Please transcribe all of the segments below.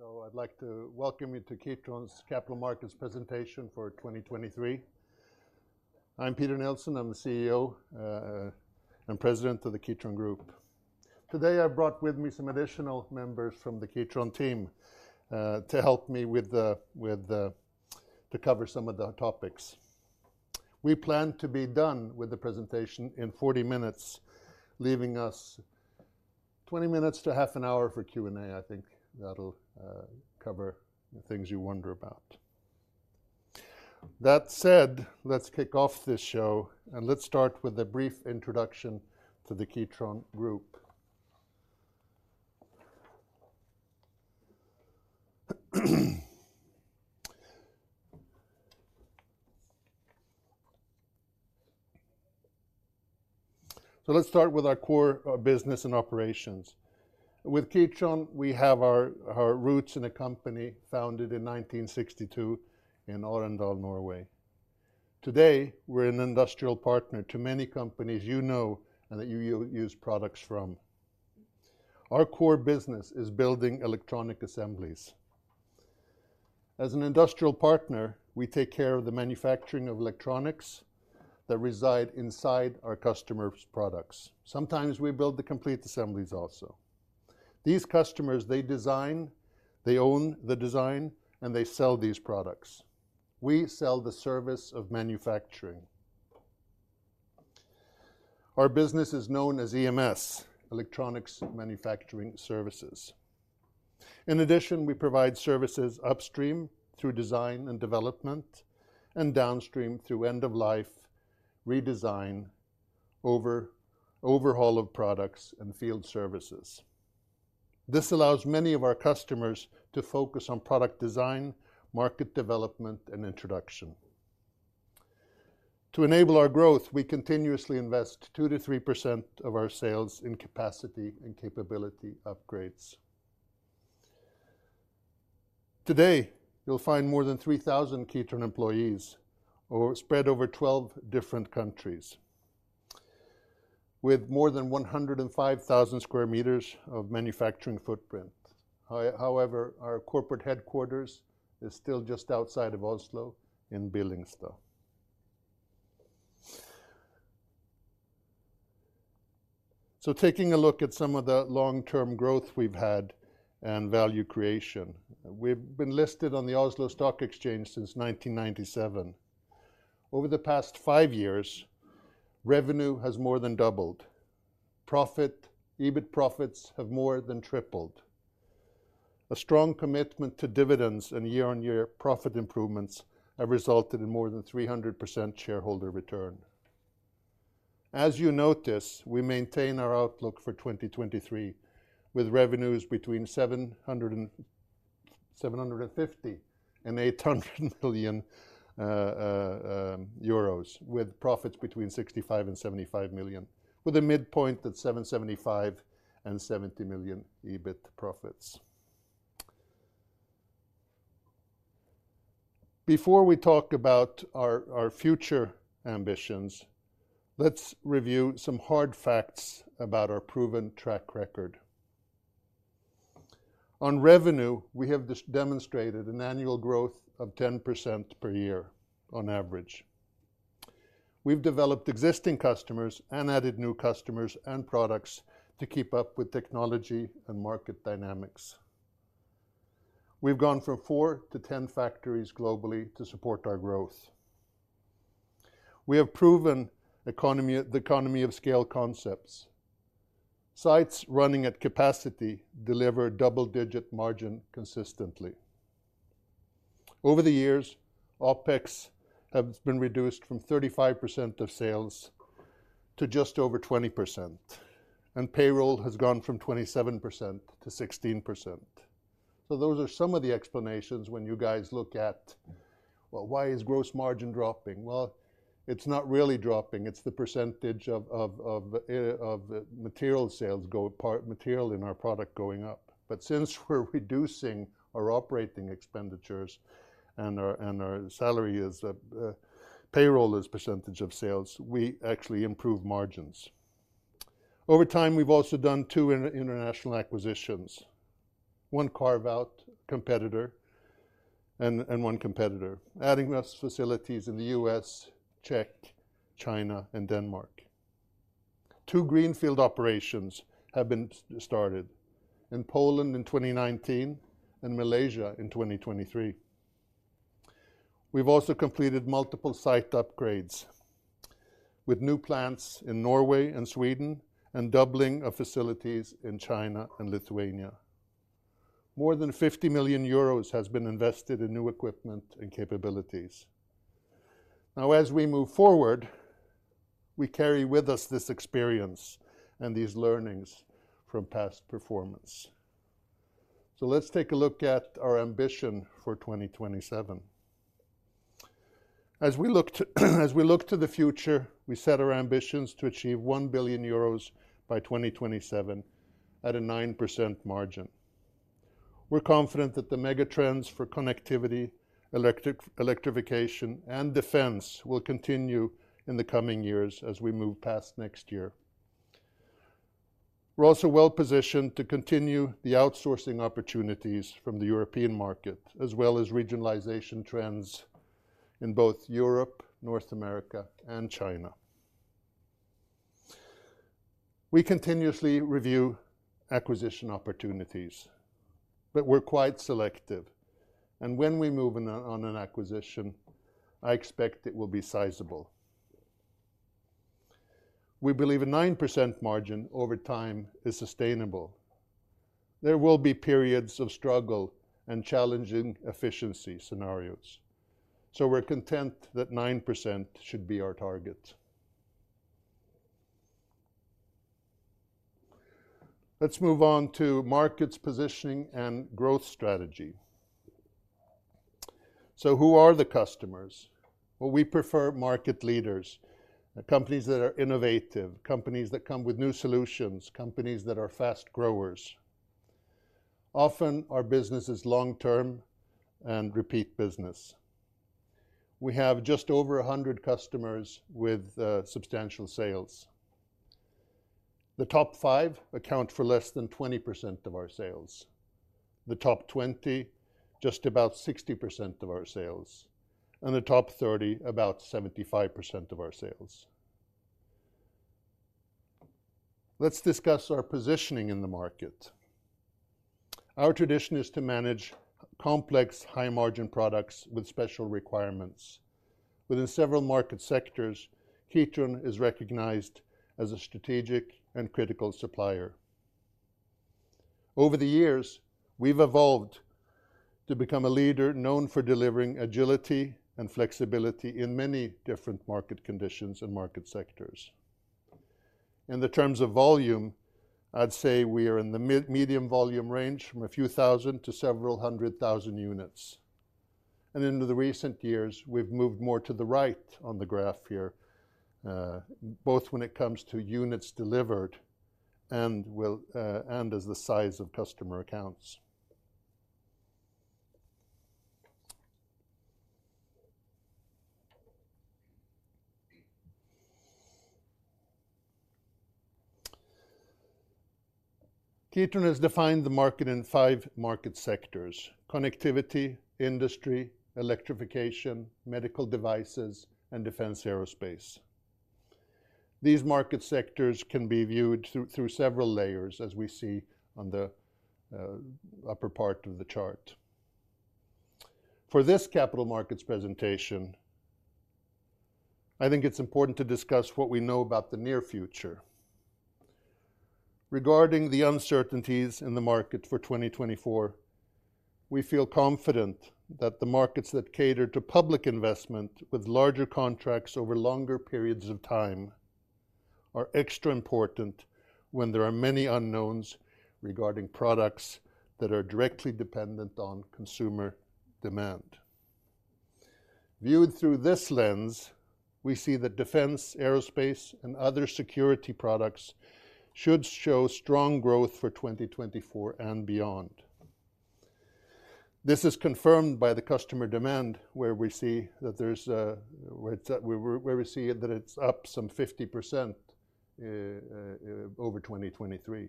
So I'd like to welcome you to Kitron's Capital Markets presentation for 2023. I'm Peter Nilsson. I'm the CEO and President of the Kitron Group. Today, I've brought with me some additional members from the Kitron team to help me with the to cover some of the topics. We plan to be done with the presentation in 40 minutes, leaving us 20 minutes to half an hour for Q&A. I think that'll cover the things you wonder about. That said, let's kick off this show, and let's start with a brief introduction to the Kitron Group. So let's start with our core business and operations. With Kitron, we have our roots in a company founded in 1962 in Arendal, Norway. Today, we're an industrial partner to many companies you know and that you use products from. Our core business is building electronic assemblies. As an industrial partner, we take care of the manufacturing of electronics that reside inside our customer's products. Sometimes we build the complete assemblies also. These customers, they design, they own the design, and they sell these products. We sell the service of manufacturing. Our business is known as EMS, Electronics Manufacturing Services. In addition, we provide services upstream, through design and development, and downstream, through end-of-life redesign, overhaul of products, and field services. This allows many of our customers to focus on product design, market development, and introduction. To enable our growth, we continuously invest 2%-3% of our sales in capacity and capability upgrades. Today, you'll find more than 3,000 Kitron employees spread over 12 different countries, with more than 105,000 sq m of manufacturing footprint. However, our corporate headquarters is still just outside of Oslo, in Billingstad. So taking a look at some of the long-term growth we've had and value creation, we've been listed on the Oslo Stock Exchange since 1997. Over the past five years, revenue has more than doubled. Profit, EBIT profits have more than tripled. A strong commitment to dividends and year-on-year profit improvements have resulted in more than 300% shareholder return. As you notice, we maintain our outlook for 2023, with revenues between 750 million and 800 million euros, with profits between 65 million and 75 million, with a midpoint at 775 million and 70 million EBIT profits. Before we talk about our future ambitions, let's review some hard facts about our proven track record. On revenue, we have demonstrated an annual growth of 10% per year on average. We've developed existing customers and added new customers and products to keep up with technology and market dynamics. We've gone from four to 10 factories globally to support our growth. We have proven economy, the economy of scale concepts. Sites running at capacity deliver double-digit margin consistently. Over the years, OpEx has been reduced from 35% of sales to just over 20%, and payroll has gone from 27%-16%. So those are some of the explanations when you guys look at, well, why is gross margin dropping? Well, it's not really dropping. It's the percentage of the material in our product going up. But since we're reducing our operating expenditures and our payroll as percentage of sales, we actually improve margins. Over time, we've also done two international acquisitions, one carve-out competitor and one competitor, adding to facilities in the U.S., Czech Republic, China, and Denmark. Two greenfield operations have been started, in Poland in 2019 and Malaysia in 2023. We've also completed multiple site upgrades, with new plants in Norway and Sweden and doubling of facilities in China and Lithuania. More than 50 million euros has been invested in new equipment and capabilities. Now, as we move forward, we carry with us this experience and these learnings from past performance. So let's take a look at our ambition for 2027. As we look to the future, we set our ambitions to achieve 1 billion euros by 2027 at a 9% margin. We're confident that the mega trends for Connectivity, Electrification, and Defence will continue in the coming years as we move past next year... We're also well-positioned to continue the outsourcing opportunities from the European market, as well as regionalization trends in both Europe, North America, and China. We continuously review acquisition opportunities, but we're quite selective, and when we move on an acquisition, I expect it will be sizable. We believe a 9% margin over time is sustainable. There will be periods of struggle and challenging efficiency scenarios, so we're content that 9% should be our target. Let's move on to market positioning and growth strategy. So who are the customers? Well, we prefer market leaders, companies that are innovative, companies that come with new solutions, companies that are fast growers. Often, our business is long-term and repeat business. We have just over 100 customers with substantial sales. The top five account for less than 20% of our sales. The top 20, just about 60% of our sales, and the top 30, about 75% of our sales. Let's discuss our positioning in the market. Our tradition is to manage complex, high-margin products with special requirements. Within several market sectors, Kitron is recognized as a strategic and critical supplier. Over the years, we've evolved to become a leader known for delivering agility and flexibility in many different market conditions and market sectors. In terms of volume, I'd say we are in the medium volume range, from a few thousand to several hundred thousand units. And into the recent years, we've moved more to the right on the graph here, both when it comes to units delivered and value, and as the size of customer accounts. Kitron has defined the market in five market sectors: Connectivity, Industry, Electrification, Medical Devices, and Defence Aerospace. These market sectors can be viewed through several layers, as we see on the upper part of the chart. For this capital markets presentation, I think it's important to discuss what we know about the near future. Regarding the uncertainties in the market for 2024, we feel confident that the markets that cater to public investment with larger contracts over longer periods of time are extra important when there are many unknowns regarding products that are directly dependent on consumer demand. Viewed through this lens, we see that Defence, Aerospace, and other security products should show strong growth for 2024 and beyond. This is confirmed by the customer demand, where we see that it's up some 50% over 2023.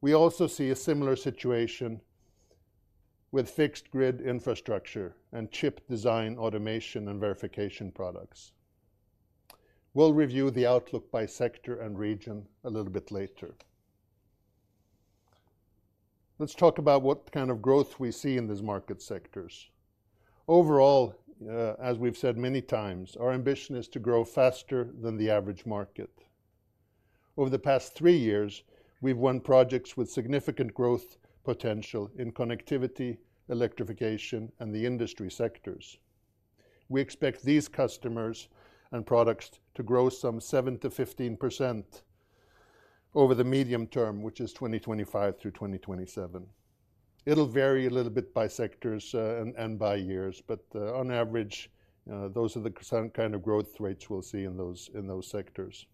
We also see a similar situation with fixed grid infrastructure and chip design, automation, and verification products. We'll review the outlook by sector and region a little bit later. Let's talk about what kind of growth we see in these market sectors. Overall, as we've said many times, our ambition is to grow faster than the average market. Over the past three years, we've won projects with significant growth potential in Connectivity, Electrification, and the Industry sectors. We expect these customers and products to grow some 7%-15% over the medium term, which is 2025 through 2027. It'll vary a little bit by sectors, and by years, but on average, those are some kind of growth rates we'll see in those sectors.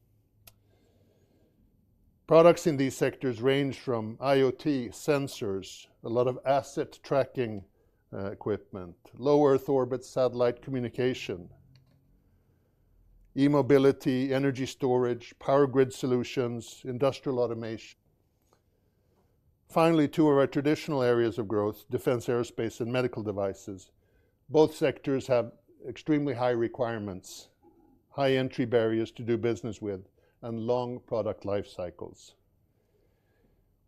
Products in these sectors range from IoT sensors, a lot of asset tracking equipment, low-Earth orbit satellite communication, e-mobility, energy storage, power grid solutions, industrial automation. Finally, two of our traditional areas of growth, Defence, Aerospace, and Medical Devices. Both sectors have extremely high requirements, high entry barriers to do business with, and long product life cycles.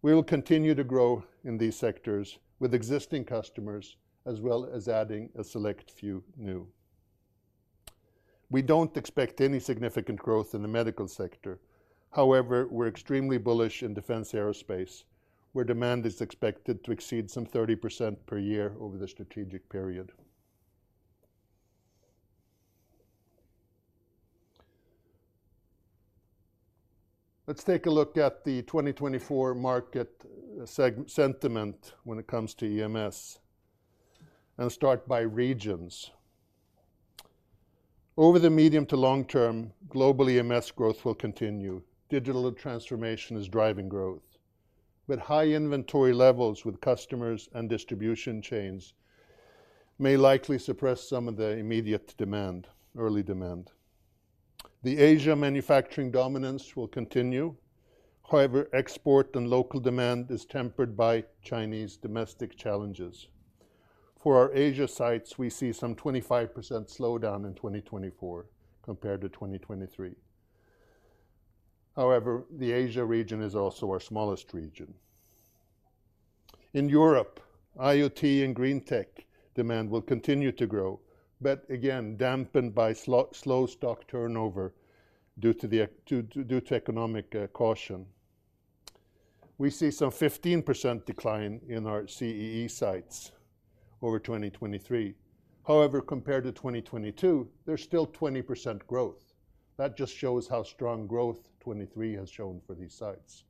We will continue to grow in these sectors with existing customers, as well as adding a select few new. We don't expect any significant growth in the medical sector. However, we're extremely bullish in Defence Aerospace, where demand is expected to exceed some 30% per year over the strategic period. Let's take a look at the 2024 market segment sentiment when it comes to EMS and start by regions. Over the medium to long term, global EMS growth will continue. Digital transformation is driving growth, but high inventory levels with customers and distribution chains may likely suppress some of the immediate demand, early demand. The Asia manufacturing dominance will continue. However, export and local demand is tempered by Chinese domestic challenges. For our Asia sites, we see some 25% slowdown in 2024 compared to 2023. However, the Asia region is also our smallest region. In Europe, IoT and green tech demand will continue to grow, but again, dampened by slow stock turnover due to economic caution. We see some 15% decline in our CEE sites over 2023. However, compared to 2022, there's still 20% growth. That just shows how strong growth 2023 has shown for these sites.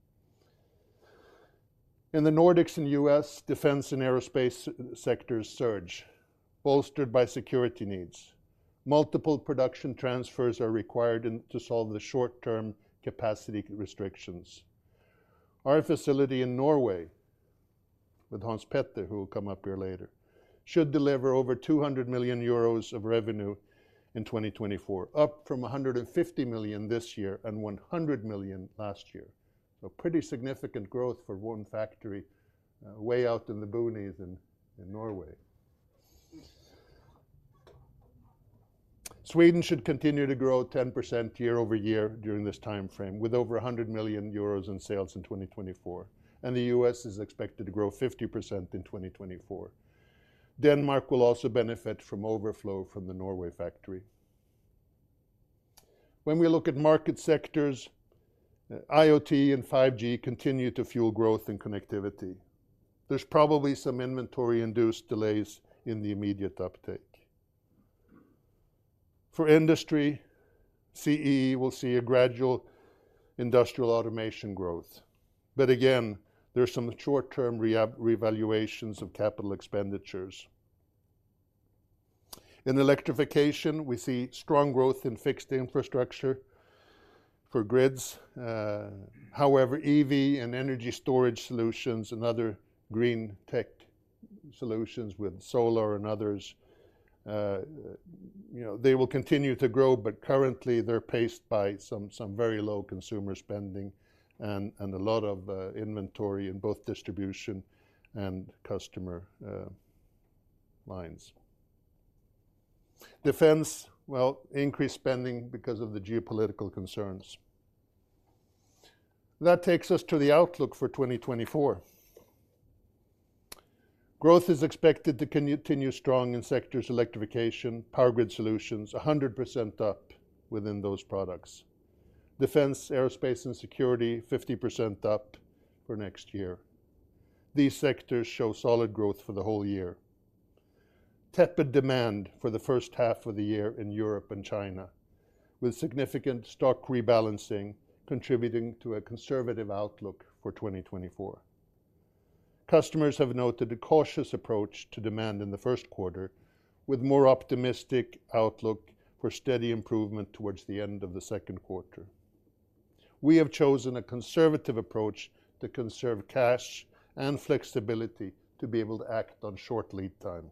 In the Nordics and U.S., Defence and Aerospace sectors surge, bolstered by security needs. Multiple production transfers are required in to solve the short-term capacity restrictions. Our facility in Norway, with Hans Petter, who will come up here later, should deliver over 200 million euros of revenue in 2024, up from 150 million this year and 100 million last year. So pretty significant growth for one factory, way out in the boonies in Norway. Sweden should continue to grow 10% year-over-year during this timeframe, with over 100 million euros in sales in 2024, and the U.S. is expected to grow 50% in 2024. Denmark will also benefit from overflow from the Norway factory. When we look at market sectors, IoT and 5G continue to fuel growth and Connectivity. There's probably some inventory-induced delays in the immediate uptake. For Industry, CEE will see a gradual industrial automation growth. But again, there are some short-term reevaluations of capital expenditures. In Electrification, we see strong growth in fixed infrastructure for grids. However, EV and energy storage solutions and other green tech solutions with solar and others, you know, they will continue to grow, but currently, they're paced by some, some very low consumer spending and, and a lot of inventory in both distribution and customer lines. Defence, well, increased spending because of the geopolitical concerns. That takes us to the outlook for 2024. Growth is expected to continue strong in sectors Electrification, power grid solutions, 100% up within those products. Defence, Aerospace, and security, 50% up for next year. These sectors show solid growth for the whole year. Tepid demand for the first half of the year in Europe and China, with significant stock rebalancing, contributing to a conservative outlook for 2024. Customers have noted a cautious approach to demand in the first quarter, with more optimistic outlook for steady improvement towards the end of the second quarter. We have chosen a conservative approach to conserve cash and flexibility to be able to act on short lead time.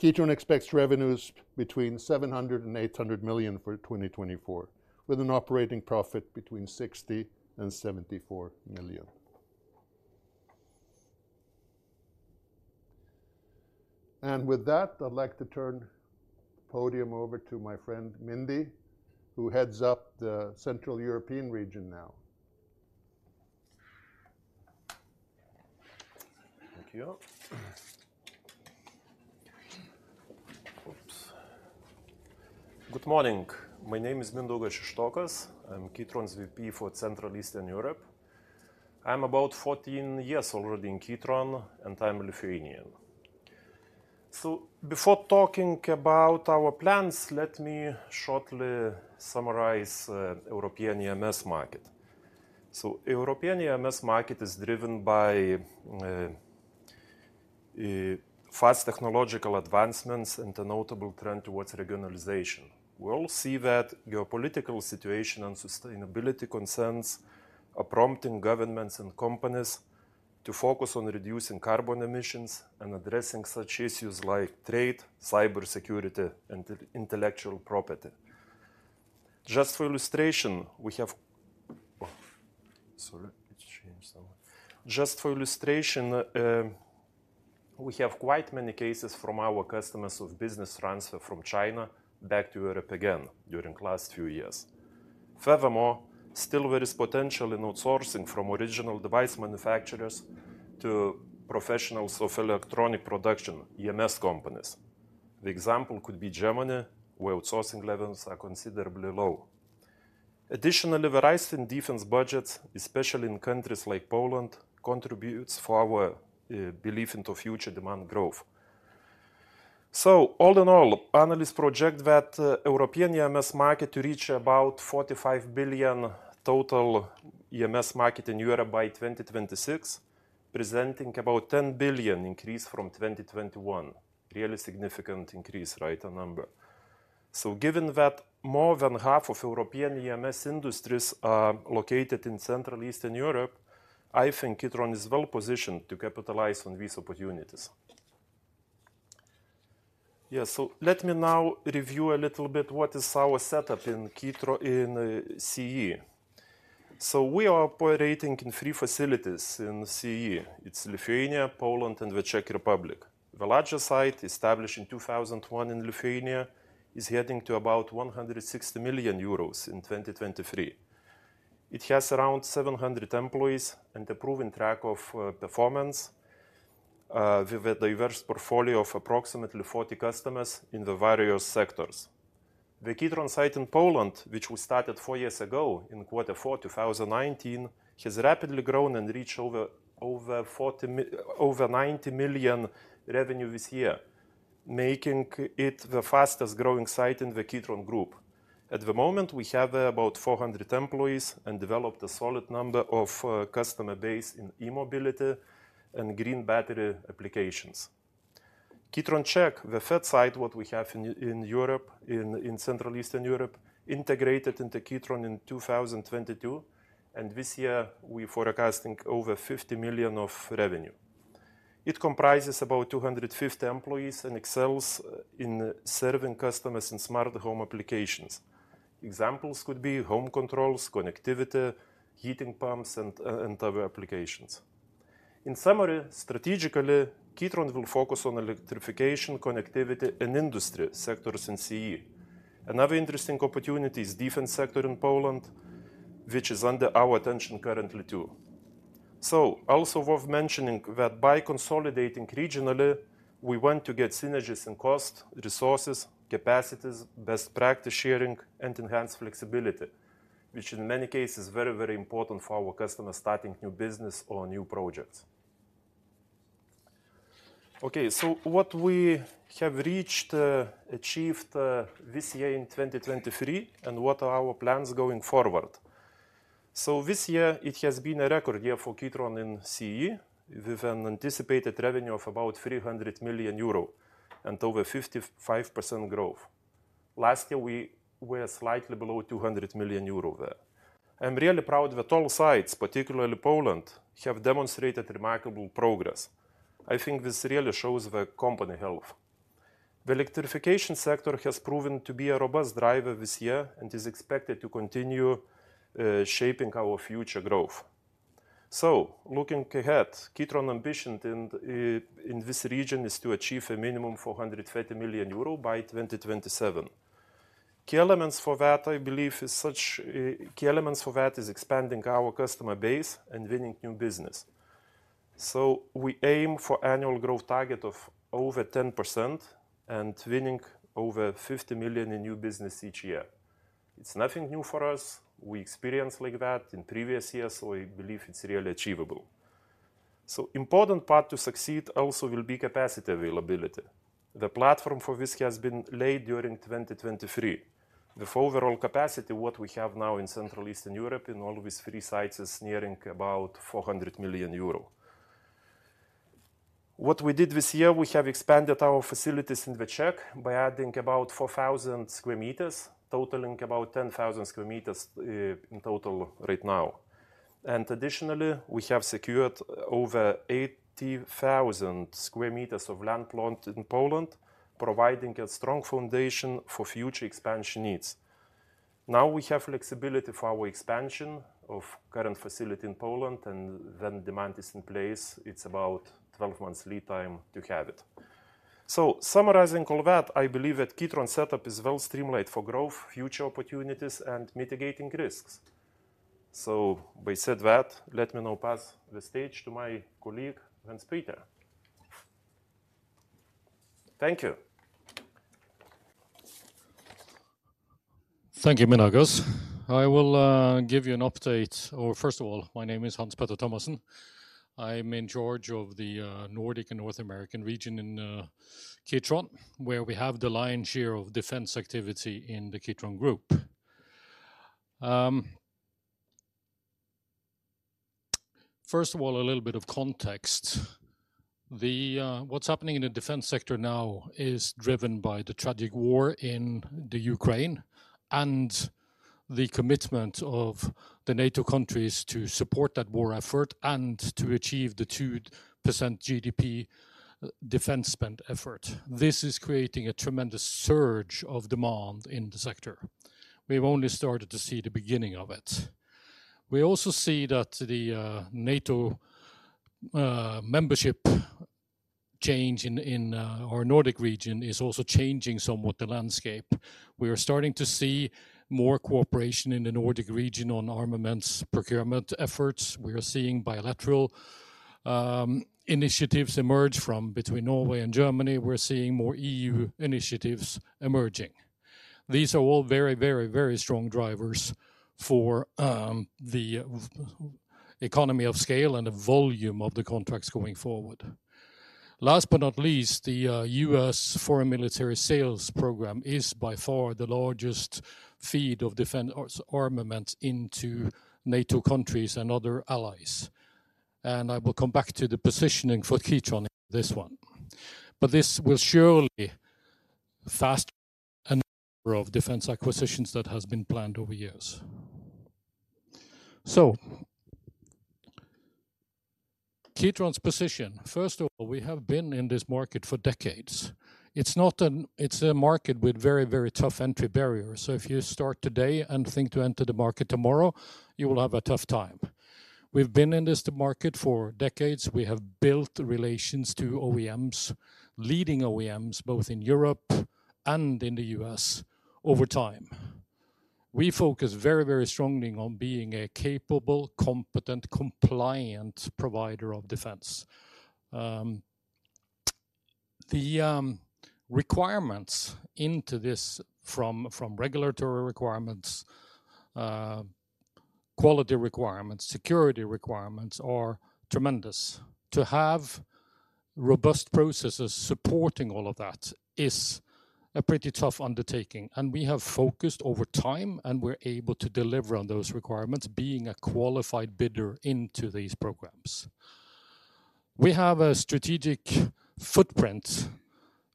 Kitron expects revenues between 700 million and 800 million for 2024, with an operating profit between 60 million and 74 million. With that, I'd like to turn the podium over to my friend, Mindaugas, who heads up the Central European region now. Thank you. Oops. Good morning. My name is Mindaugas Šeštokas. I'm Kitron's VP for Central Eastern Europe. I'm about 14 years already in Kitron, and I'm Lithuanian. Before talking about our plans, let me shortly summarize European EMS market. European EMS market is driven by fast technological advancements and a notable trend towards regionalization. We all see that geopolitical situation and sustainability concerns are prompting governments and companies to focus on reducing carbon emissions and addressing such issues like trade, cybersecurity, and intellectual property. Just for illustration, we have quite many cases from our customers of business transfer from China back to Europe again during last few years. Furthermore, still there is potential in outsourcing from original equipment manufacturers to professionals of electronic production, EMS companies. The example could be Germany, where outsourcing levels are considerably low. Additionally, the rise in Defence budgets, especially in countries like Poland, contributes for our belief into future demand growth. So all in all, analysts project that European EMS market to reach about 45 billion total EMS market in Europe by 2026, presenting about 10 billion increase from 2021. Really significant increase, right, a number?... So given that more than half of European EMS industries are located in Central Eastern Europe, I think Kitron is well-positioned to capitalize on these opportunities. Yes, so let me now review a little bit what is our setup in Kitron in CE. So we are operating in three facilities in CE. It's Lithuania, Poland, and the Czech Republic. The largest site, established in 2001 in Lithuania, is getting to about 160 million euros in 2023. It has around 700 employees and a proven track of performance with a diverse portfolio of approximately 40 customers in the various sectors. The Kitron site in Poland, which we started four years ago in quarter four, 2019, has rapidly grown and reached over 90 million revenue this year, making it the fastest growing site in the Kitron Group. At the moment, we have about 400 employees and developed a solid number of customer base in e-mobility and green battery applications. Kitron Czech, the third site what we have in Europe, in Central Eastern Europe, integrated into Kitron in 2022, and this year we're forecasting over 50 million of revenue. It comprises about 250 employees and excels in serving customers in smart home applications. Examples could be home controls, Connectivity, heating pumps, and other applications. In summary, strategically, Kitron will focus on Electrification, Connectivity, and Industry sectors in CE. Another interesting opportunity is Defence sector in Poland, which is under our attention currently, too. So also worth mentioning that by consolidating regionally, we want to get synergies in cost, resources, capacities, best practice sharing, and enhanced flexibility, which in many cases, very, very important for our customers starting new business or new projects. Okay, so what we have reached, achieved, this year in 2023, and what are our plans going forward? So this year it has been a record year for Kitron in CE, with an anticipated revenue of about 300 million euro and over 55% growth. Last year, we were slightly below 200 million euro there. I'm really proud that all sites, particularly Poland, have demonstrated remarkable progress. I think this really shows the company health. The Electrification sector has proven to be a robust driver this year and is expected to continue shaping our future growth. So looking ahead, Kitron ambition in this region is to achieve a minimum 430 million euro by 2027. Key elements for that, I believe, is expanding our customer base and winning new business. So we aim for annual growth target of over 10% and winning over 50 million in new business each year. It's nothing new for us. We experienced like that in previous years, so I believe it's really achievable. So important part to succeed also will be capacity availability. The platform for this has been laid during 2023. The overall capacity, what we have now in Central Eastern Europe, in all these three sites, is nearing about 400 million euro. What we did this year, we have expanded our facilities in the Czech by adding about 4,000 sq m, totaling about 10,000 sq m, in total right now. And additionally, we have secured over 80,000 sq m of land plot in Poland, providing a strong foundation for future expansion needs. Now we have flexibility for our expansion of current facility in Poland, and when demand is in place, it's about 12 months lead time to have it. So summarizing all that, I believe that Kitron setup is well streamlined for growth, future opportunities, and mitigating risks. So having said that, let me now pass the stage to my colleague, Hans Petter. Thank you. Thank you, Mindaugas. I will give you an update. Or first of all, my name is Hans Petter Thomassen. I'm in charge of the Nordic and North American region in Kitron, where we have the lion's share of Defence activity in the Kitron Group. First of all, a little bit of context. What's happening in the Defence sector now is driven by the tragic war in the Ukraine and the commitment of the NATO countries to support that war effort and to achieve the 2% GDP Defence spend effort. This is creating a tremendous surge of demand in the sector. We've only started to see the beginning of it. We also see that the NATO membership change in our Nordic region is also changing somewhat the landscape. We are starting to see more cooperation in the Nordic region on armaments procurement efforts. We are seeing bilateral initiatives emerge from between Norway and Germany. We're seeing more EU initiatives emerging. These are all very, very, very strong drivers for the economy of scale and the volume of the contracts going forward. Last but not least, the U.S. Foreign Military Sales program is by far the largest feed of Defence or armaments into NATO countries and other allies... and I will come back to the positioning for Kitron in this one. But this will surely fast-track the Defence acquisitions that has been planned over years. So, Kitron's position. First of all, we have been in this market for decades. It's a market with very, very tough entry barriers, so if you start today and think to enter the market tomorrow, you will have a tough time. We've been in this market for decades. We have built relations to OEMs, leading OEMs, both in Europe and in the U.S. over time. We focus very, very strongly on being a capable, competent, compliant provider of Defence. The requirements into this from regulatory requirements, quality requirements, security requirements are tremendous. To have robust processes supporting all of that is a pretty tough undertaking, and we have focused over time, and we're able to deliver on those requirements, being a qualified bidder into these programs. We have a strategic footprint,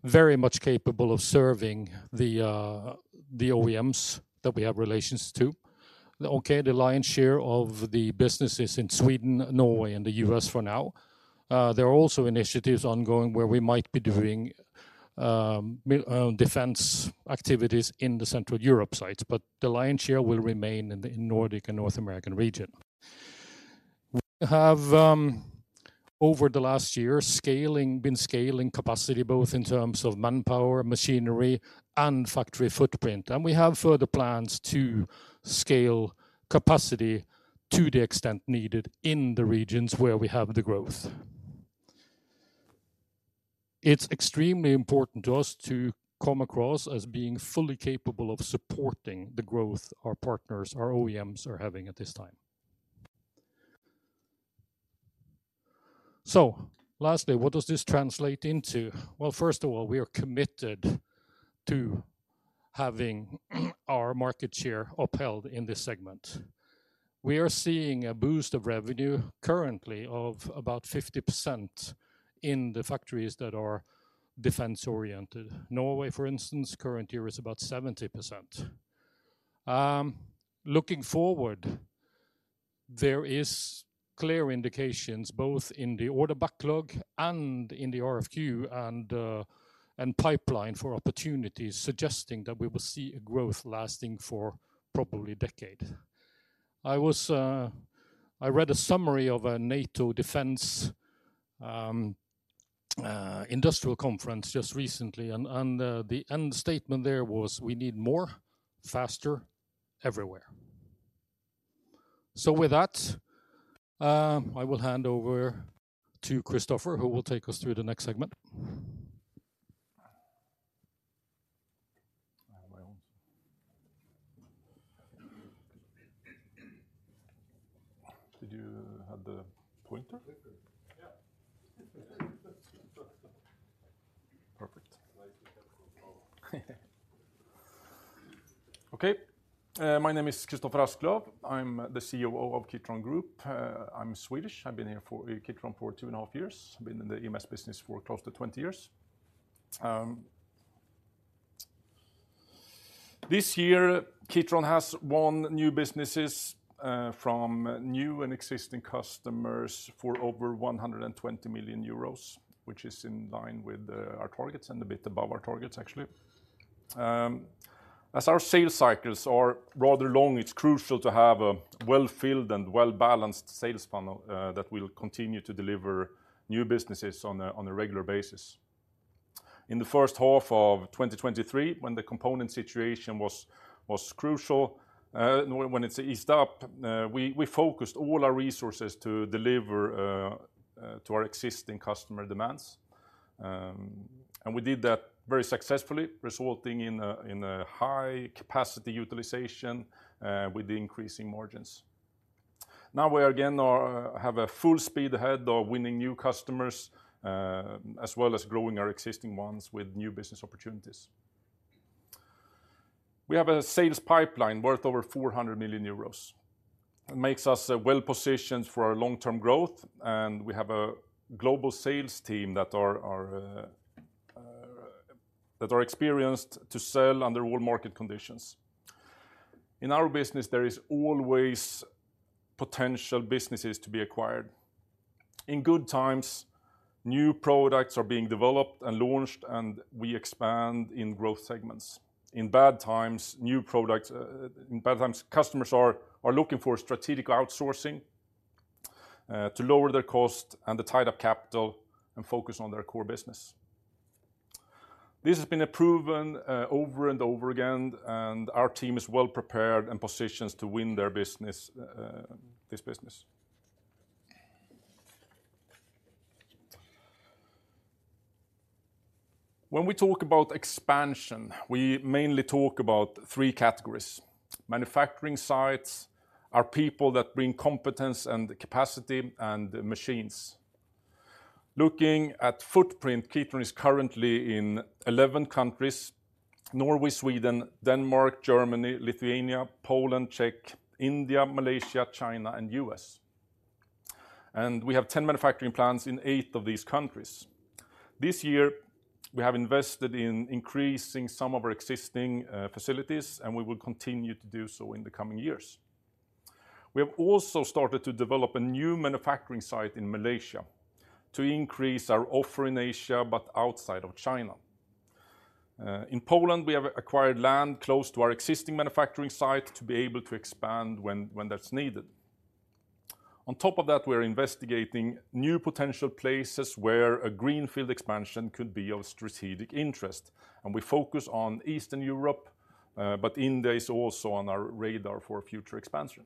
very much capable of serving the OEMs that we have relations to. Okay, the lion's share of the business is in Sweden, Norway, and the U.S. for now. There are also initiatives ongoing where we might be doing Defence activities in the Central Europe sites, but the lion's share will remain in the Nordic and North American region. We have, over the last year, been scaling capacity, both in terms of manpower, machinery, and factory footprint. We have further plans to scale capacity to the extent needed in the regions where we have the growth. It's extremely important to us to come across as being fully capable of supporting the growth our partners, our OEMs are having at this time. So lastly, what does this translate into? Well, first of all, we are committed to having our market share upheld in this segment. We are seeing a boost of revenue currently of about 50% in the factories that are Defence-oriented. Norway, for instance, current year is about 70%. Looking forward, there is clear indications, both in the order backlog and in the RFQ and pipeline for opportunities, suggesting that we will see a growth lasting for probably a decade. I read a summary of a NATO Defence industrial conference just recently, and the end statement there was, "We need more, faster, everywhere." So with that, I will hand over to Kristoffer, who will take us through the next segment. Did you have the pointer? Yeah. Perfect. Okay, my name is Kristoffer Asklöv. I'm the COO of Kitron Group. I'm Swedish. I've been here for Kitron for two and a half years. I've been in the EMS business for close to 20 years. This year, Kitron has won new businesses from new and existing customers for over 120 million euros, which is in line with our targets and a bit above our targets, actually. As our sales cycles are rather long, it's crucial to have a well-filled and well-balanced sales funnel that will continue to deliver new businesses on a regular basis. In the first half of 2023, when the component situation was crucial, when it eased up, we focused all our resources to deliver to our existing customer demands. And we did that very successfully, resulting in a high capacity utilization, with the increasing margins. Now, we are again have a full speed ahead of winning new customers, as well as growing our existing ones with new business opportunities. We have a sales pipeline worth over 400 million euros. It makes us well-positioned for our long-term growth, and we have a global sales team that are experienced to sell under all market conditions. In our business, there is always potential businesses to be acquired. In good times, new products are being developed and launched, and we expand in growth segments. In bad times, customers are looking for strategic outsourcing, to lower their cost and the tied-up capital and focus on their core business. This has been proven over and over again, and our team is well prepared and positioned to win their business, this business. When we talk about expansion, we mainly talk about three categories: manufacturing sites, our people that bring competence and capacity, and the machines. Looking at footprint, Kitron is currently in 11 countries: Norway, Sweden, Denmark, Germany, Lithuania, Poland, Czech, India, Malaysia, China, and U.S. We have 10 manufacturing plants in eight of these countries. This year, we have invested in increasing some of our existing facilities, and we will continue to do so in the coming years. We have also started to develop a new manufacturing site in Malaysia to increase our offer in Asia, but outside of China. In Poland, we have acquired land close to our existing manufacturing site to be able to expand when that's needed. On top of that, we are investigating new potential places where a greenfield expansion could be of strategic interest, and we focus on Eastern Europe, but India is also on our radar for future expansion.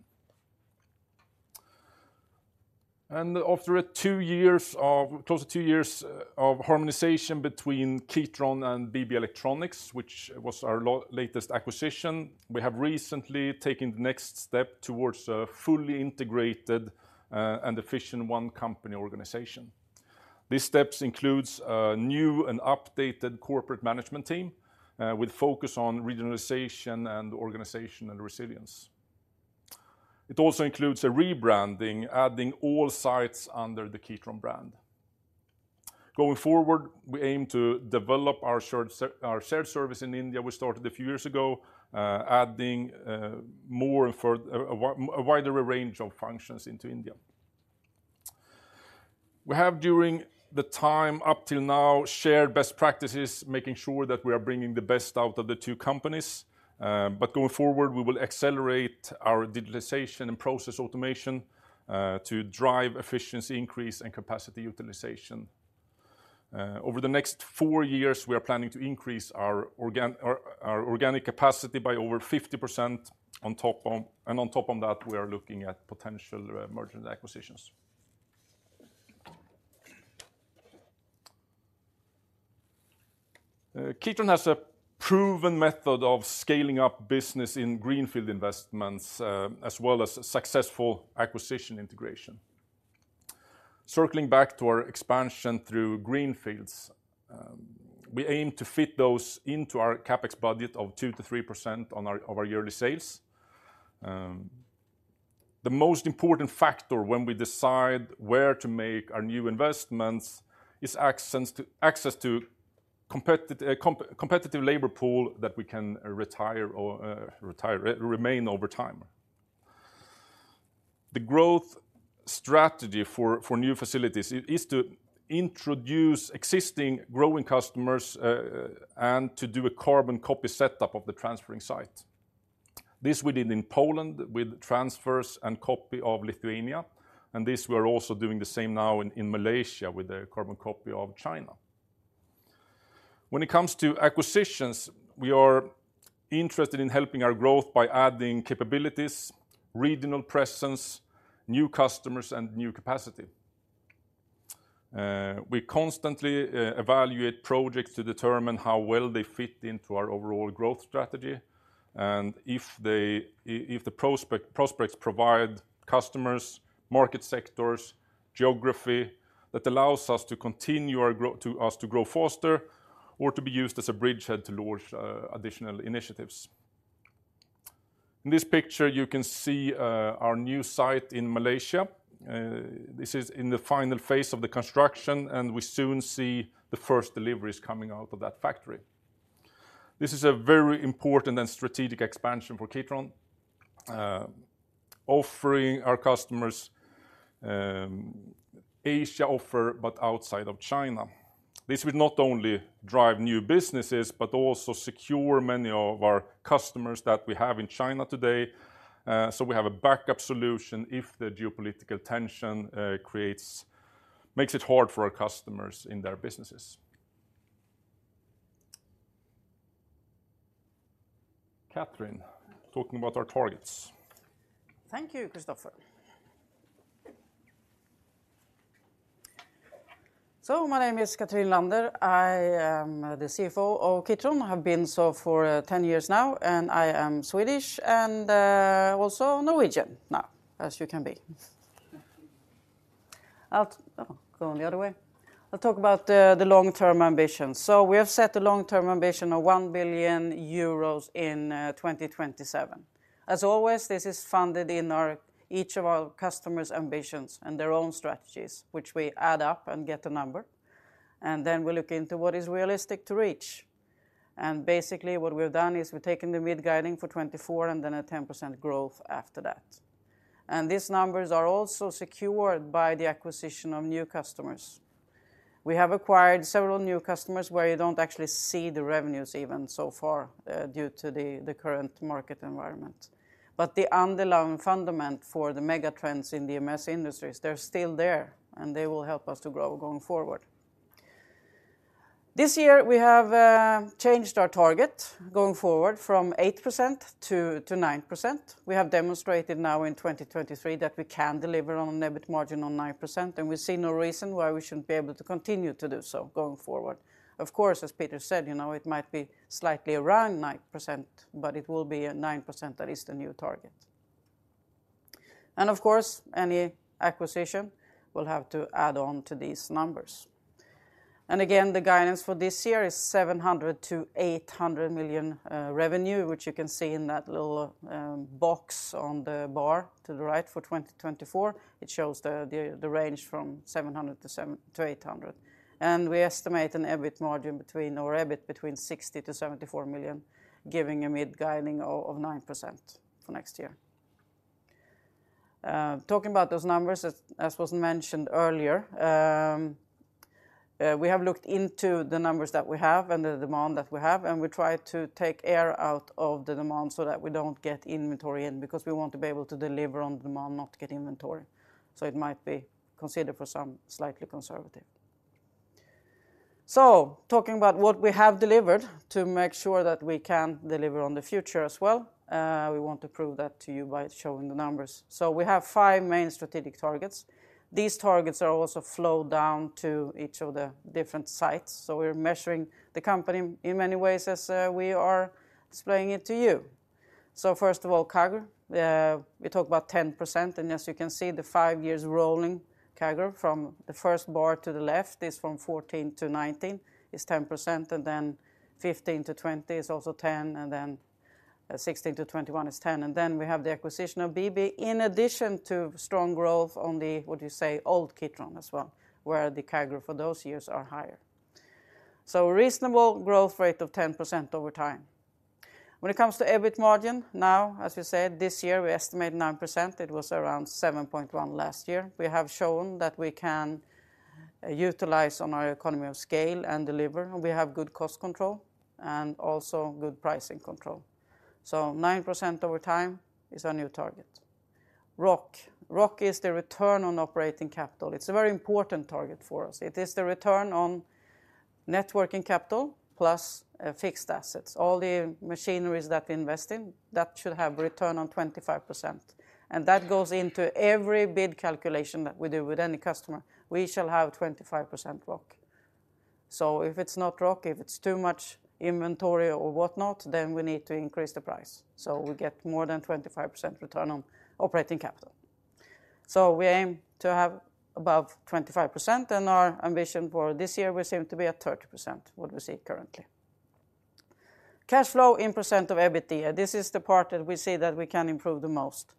After two years of close to two years of harmonization between Kitron and BB Electronics, which was our latest acquisition, we have recently taken the next step towards a fully integrated and efficient one-company organization. These steps includes a new and updated corporate management team with focus on regionalization and organization and resilience. It also includes a rebranding, adding all sites under the Kitron brand. Going forward, we aim to develop our shared service in India we started a few years ago, adding more and a wider range of functions into India. We have, during the time up till now, shared best practices, making sure that we are bringing the best out of the two companies, but going forward, we will accelerate our digitalization and process automation to drive efficiency increase and capacity utilization. Over the next four years, we are planning to increase our organic capacity by over 50% on top of that, and we are looking at potential mergers and acquisitions. Kitron has a proven method of scaling up business in greenfield investments, as well as successful acquisition integration. Circling back to our expansion through greenfields, we aim to fit those into our CapEx budget of 2%-3% of our yearly sales. The most important factor when we decide where to make our new investments is access to competitive labor pool that we can retain over time. The growth strategy for new facilities is to introduce existing growing customers and to do a carbon copy setup of the transferring site. This we did in Poland with transfers and copy of Lithuania, and this we are also doing the same now in Malaysia with a carbon copy of China. When it comes to acquisitions, we are interested in helping our growth by adding capabilities, regional presence, new customers, and new capacity. We constantly evaluate projects to determine how well they fit into our overall growth strategy, and if the prospects provide customers, market sectors, geography that allows us to continue to grow faster or to be used as a bridgehead to launch additional initiatives. In this picture, you can see our new site in Malaysia. This is in the final phase of the construction, and we soon see the first deliveries coming out of that factory. This is a very important and strategic expansion for Kitron, offering our customers Asia offer, but outside of China. This will not only drive new businesses, but also secure many of our customers that we have in China today, so we have a backup solution if the geopolitical tension creates, makes it hard for our customers in their businesses. Cathrin, talking about our targets. Thank you, Kristoffer. So my name is Cathrin Nylander. I am the CFO of Kitron, have been so for 10 years now, and I am Swedish and also Norwegian now, as you can be. I'll... Oh, going the other way. I'll talk about the long-term ambitions. So we have set a long-term ambition of 1 billion euros in 2027. As always, this is funded in our each of our customers' ambitions and their own strategies, which we add up and get a number, and then we look into what is realistic to reach. And basically, what we've done is we've taken the mid-guidance for 2024 and then a 10% growth after that. And these numbers are also secured by the acquisition of new customers. We have acquired several new customers where you don't actually see the revenues even so far, due to the, the current market environment. But the underlying fundamentals for the mega trends in the EMS industries, they're still there, and they will help us to grow going forward. This year, we have changed our target going forward from 8% to 9%. We have demonstrated now in 2023 that we can deliver on an EBIT margin on 9%, and we see no reason why we shouldn't be able to continue to do so going forward. Of course, as Peter said, you know, it might be slightly around 9%, but it will be a 9%. That is the new target. And of course, any acquisition will have to add on to these numbers. Again, the guidance for this year is 700 million-800 million revenue, which you can see in that little box on the bar to the right for 2024. It shows the range from 700-800. And we estimate an EBIT margin between, or EBIT between 60 million to 74 million, giving a mid guiding of 9% for next year. Talking about those numbers, as was mentioned earlier, we have looked into the numbers that we have and the demand that we have, and we try to take air out of the demand so that we don't get inventory in, because we want to be able to deliver on demand, not get inventory. It might be considered for some slightly conservative. So talking about what we have delivered to make sure that we can deliver on the future as well, we want to prove that to you by showing the numbers. So we have five main strategic targets. These targets are also flowed down to each of the different sites, so we're measuring the company in many ways as we are displaying it to you. So first of all, CAGR, we talk about 10%, and as you can see, the five year rolling CAGR from the first bar to the left is from 2014-2019, is 10%, and then 2015-2020 is also 10%, and then 2016-2021 is 10%. And then we have the acquisition of BB, in addition to strong growth on the, what you say, old Kitron as well, where the CAGR for those years are higher. So a reasonable growth rate of 10% over time. When it comes to EBIT margin, now, as we said, this year, we estimate 9%. It was around 7.1% last year. We have shown that we can utilize on our economy of scale and deliver. We have good cost control and also good pricing control. So 9% over time is our new target. ROC. ROC is the return on operating capital. It's a very important target for us. It is the return on net working capital plus fixed assets. All the machineries that we invest in, that should have return on 25%, and that goes into every bid calculation that we do with any customer. We shall have 25% ROC. So if it's not ROC, if it's too much inventory or whatnot, then we need to increase the price, so we get more than 25% return on operating capital. So we aim to have above 25%, and our ambition for this year, we seem to be at 30%, what we see currently. Cash flow in % of EBITDA. This is the part that we see that we can improve the most.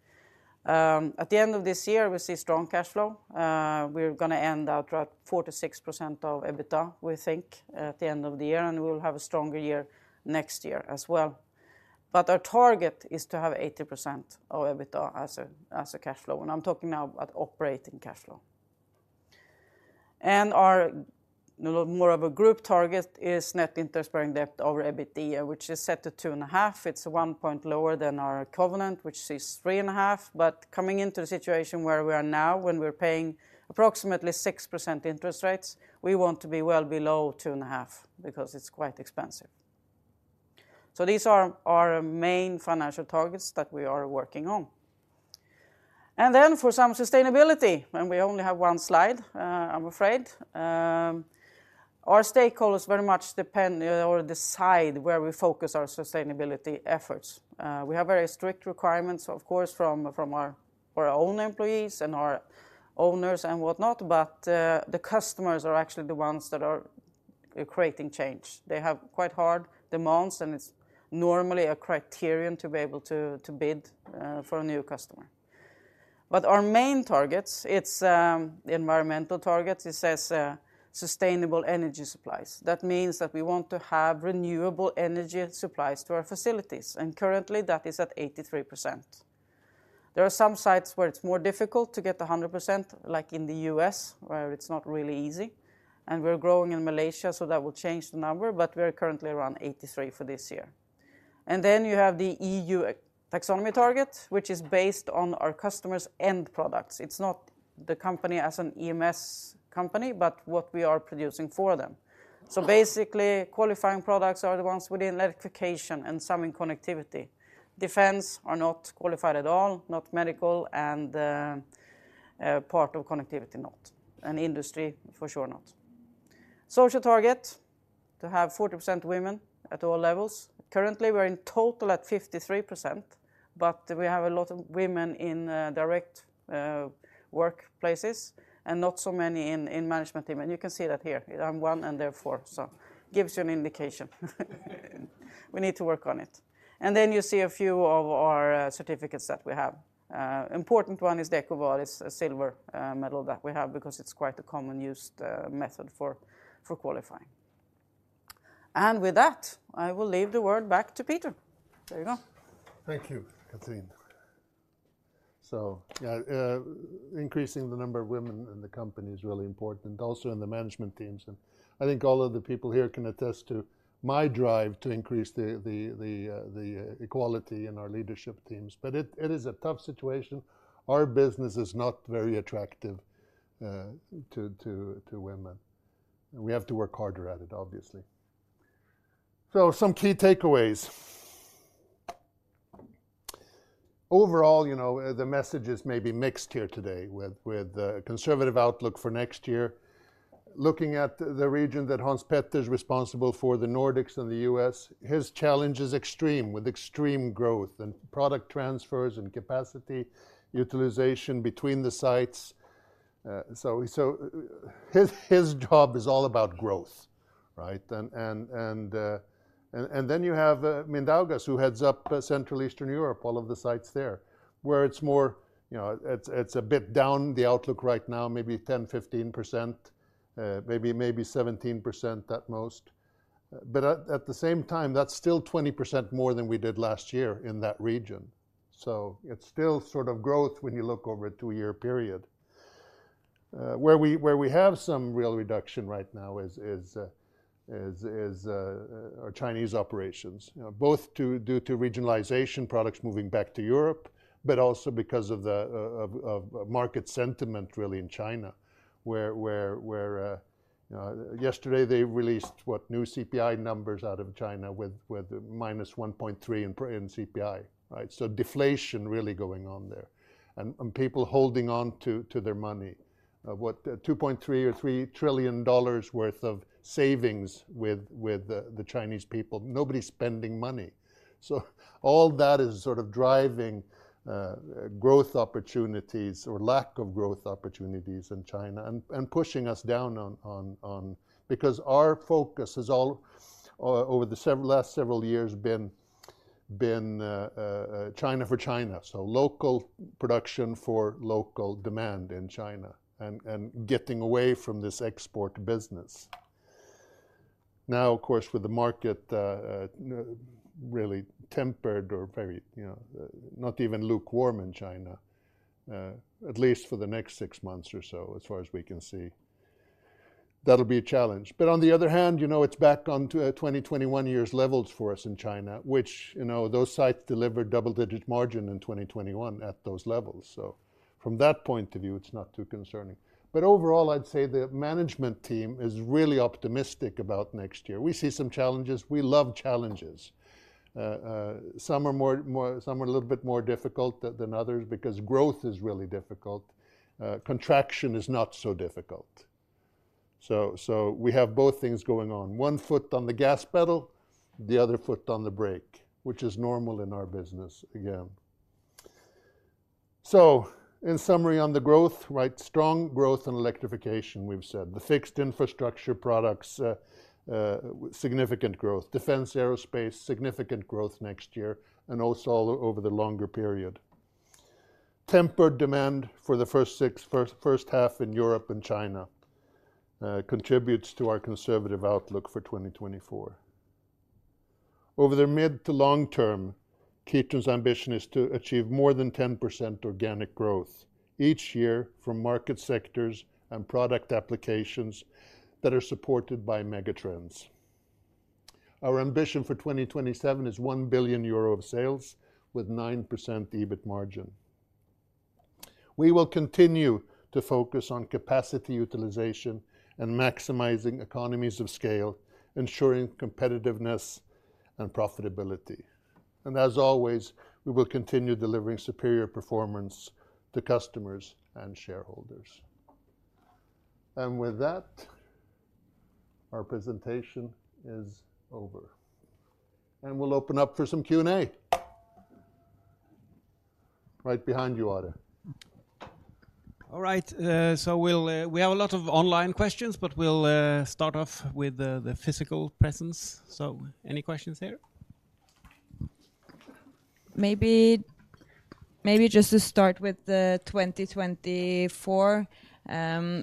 At the end of this year, we see strong cash flow. We're gonna end out at 4%-6% of EBITDA, we think, at the end of the year, and we will have a stronger year next year as well. But our target is to have 80% of EBITDA as a cash flow, and I'm talking now about operating cash flow. Our little more of a group target is net interest-bearing debt over EBITDA, which is set to 2.5. It's 1 point lower than our covenant, which is 3.5. But coming into the situation where we are now, when we're paying approximately 6% interest rates, we want to be well below 2.5 because it's quite expensive. So these are our main financial targets that we are working on. And then for some sustainability, and we only have one slide. Our stakeholders very much depend or decide where we focus our sustainability efforts. We have very strict requirements, of course, from our own employees and our owners and whatnot, but the customers are actually the ones that are creating change. They have quite hard demands, and it's normally a criterion to be able to bid for a new customer. But our main targets, it's the environmental targets. It says sustainable energy supplies. That means that we want to have renewable energy supplies to our facilities, and currently, that is at 83%. There are some sites where it's more difficult to get 100%, like in the U.S., where it's not really easy, and we're growing in Malaysia, so that will change the number, but we're currently around 83 for this year. And then you have the EU Taxonomy target, which is based on our customers' end products. It's not the company as an EMS company, but what we are producing for them. So basically, qualifying products are the ones within Electrification and some in Connectivity. Defence are not qualified at all, not medical, and part of Connectivity, not, and Industry, for sure not. Social target, to have 40% women at all levels. Currently, we're in total at 53%, but we have a lot of women in direct workplaces and not so many in management team. And you can see that here. I'm one, and there are four, so gives you an indication. We need to work on it. And then you see a few of our certificates that we have. Important one is the EcoVadis, a silver medal that we have because it's quite a common used method for qualifying. And with that, I will leave the word back to Peter. There you go. Thank you, Cathrin. So, yeah, increasing the number of women in the company is really important, also in the management teams, and I think all of the people here can attest to my drive to increase the equality in our leadership teams. But it is a tough situation. Our business is not very attractive to women, and we have to work harder at it, obviously. So some key takeaways. Overall, you know, the messages may be mixed here today with a conservative outlook for next year... looking at the region that Hans Petter is responsible for, the Nordics and the U.S., his challenge is extreme, with extreme growth and product transfers and capacity utilization between the sites. So his job is all about growth, right? Then you have Mindaugas, who heads up Central Eastern Europe, all of the sites there, where it's more, you know, it's a bit down, the outlook right now, maybe 10%-15%, maybe 17% at most. But at the same time, that's still 20% more than we did last year in that region. So it's still sort of growth when you look over a two-year period. Where we have some real reduction right now is our Chinese operations. You know, both due to regionalization, products moving back to Europe, but also because of the market sentiment, really, in China, where yesterday they released new CPI numbers out of China with -1.3 in CPI, right? So deflation really going on there, and people holding on to their money. $2.3 trillion-$3 trillion worth of savings with the Chinese people, nobody's spending money. So all that is sort of driving growth opportunities or lack of growth opportunities in China and pushing us down on... Because our focus has over the last several years been China for China, so local production for local demand in China and getting away from this export business. Now, of course, with the market really tempered or very, you know, not even lukewarm in China, at least for the next six months or so, as far as we can see, that'll be a challenge. But on the other hand, you know, it's back on to 2021 levels for us in China, which, you know, those sites delivered double-digit margin in 2021 at those levels, so from that point of view, it's not too concerning. But overall, I'd say the management team is really optimistic about next year. We see some challenges. We love challenges. Some are more—some are a little bit more difficult than others because growth is really difficult. Contraction is not so difficult. So we have both things going on, one foot on the gas pedal, the other foot on the brake, which is normal in our business again. So in summary, on the growth, right, strong growth and Electrification, we've said. The fixed infrastructure products, significant growth. Defence, Aerospace, significant growth next year, and also over the longer period. Tempered demand for the first six months in Europe and China contributes to our conservative outlook for 2024. Over the mid to long term, Kitron's ambition is to achieve more than 10% organic growth each year from market sectors and product applications that are supported by megatrends. Our ambition for 2027 is 1 billion euro of sales with 9% EBIT margin. We will continue to focus on capacity utilization and maximizing economies of scale, ensuring competitiveness and profitability. As always, we will continue delivering superior performance to customers and shareholders. With that, our presentation is over. We'll open up for some Q&A. Right behind you, Otto. All right, so we'll, we have a lot of online questions, but we'll start off with the physical presence. So any questions here? Maybe, maybe just to start with 2024,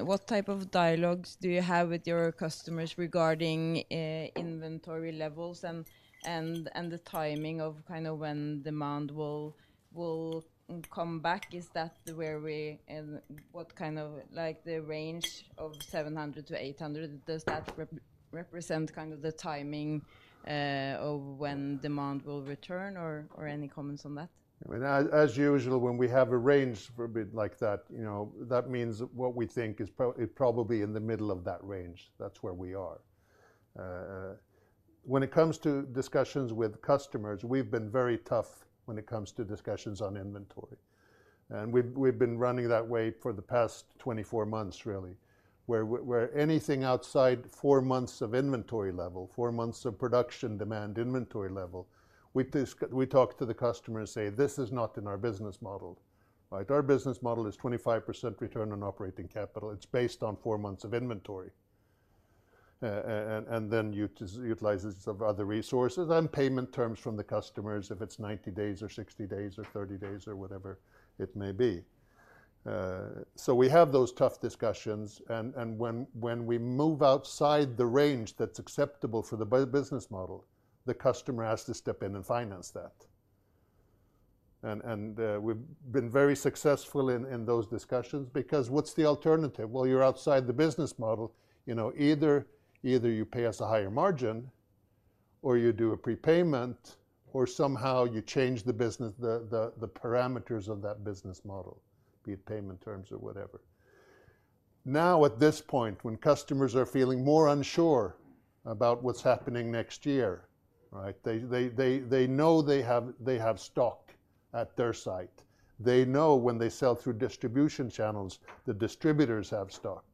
what type of dialogues do you have with your customers regarding inventory levels and the timing of kind of when demand will come back? Is that where we... And what kind of, like, the range of 700-800, does that represent kind of the timing of when demand will return, or any comments on that? I mean, as usual, when we have a range for a bit like that, you know, that means what we think is probably in the middle of that range. That's where we are. When it comes to discussions with customers, we've been very tough when it comes to discussions on inventory, and we've been running that way for the past 24 months, really, where anything outside four months of inventory level, four months of production, demand, inventory level, we talk to the customer and say: "This is not in our business model." Right? Our business model is 25% return on operating capital. It's based on four months of inventory, and then utilization of other resources and payment terms from the customers, if it's 90 days or 60 days or 30 days or whatever it may be. So we have those tough discussions, and when we move outside the range that's acceptable for the business model, the customer has to step in and finance that. We've been very successful in those discussions, because what's the alternative? Well, you're outside the business model. You know, either you pay us a higher margin, or you do a prepayment, or somehow you change the business, the parameters of that business model, be it payment terms or whatever. Now, at this point, when customers are feeling more unsure about what's happening next year, right? They know they have stock at their site. They know when they sell through distribution channels, the distributors have stock,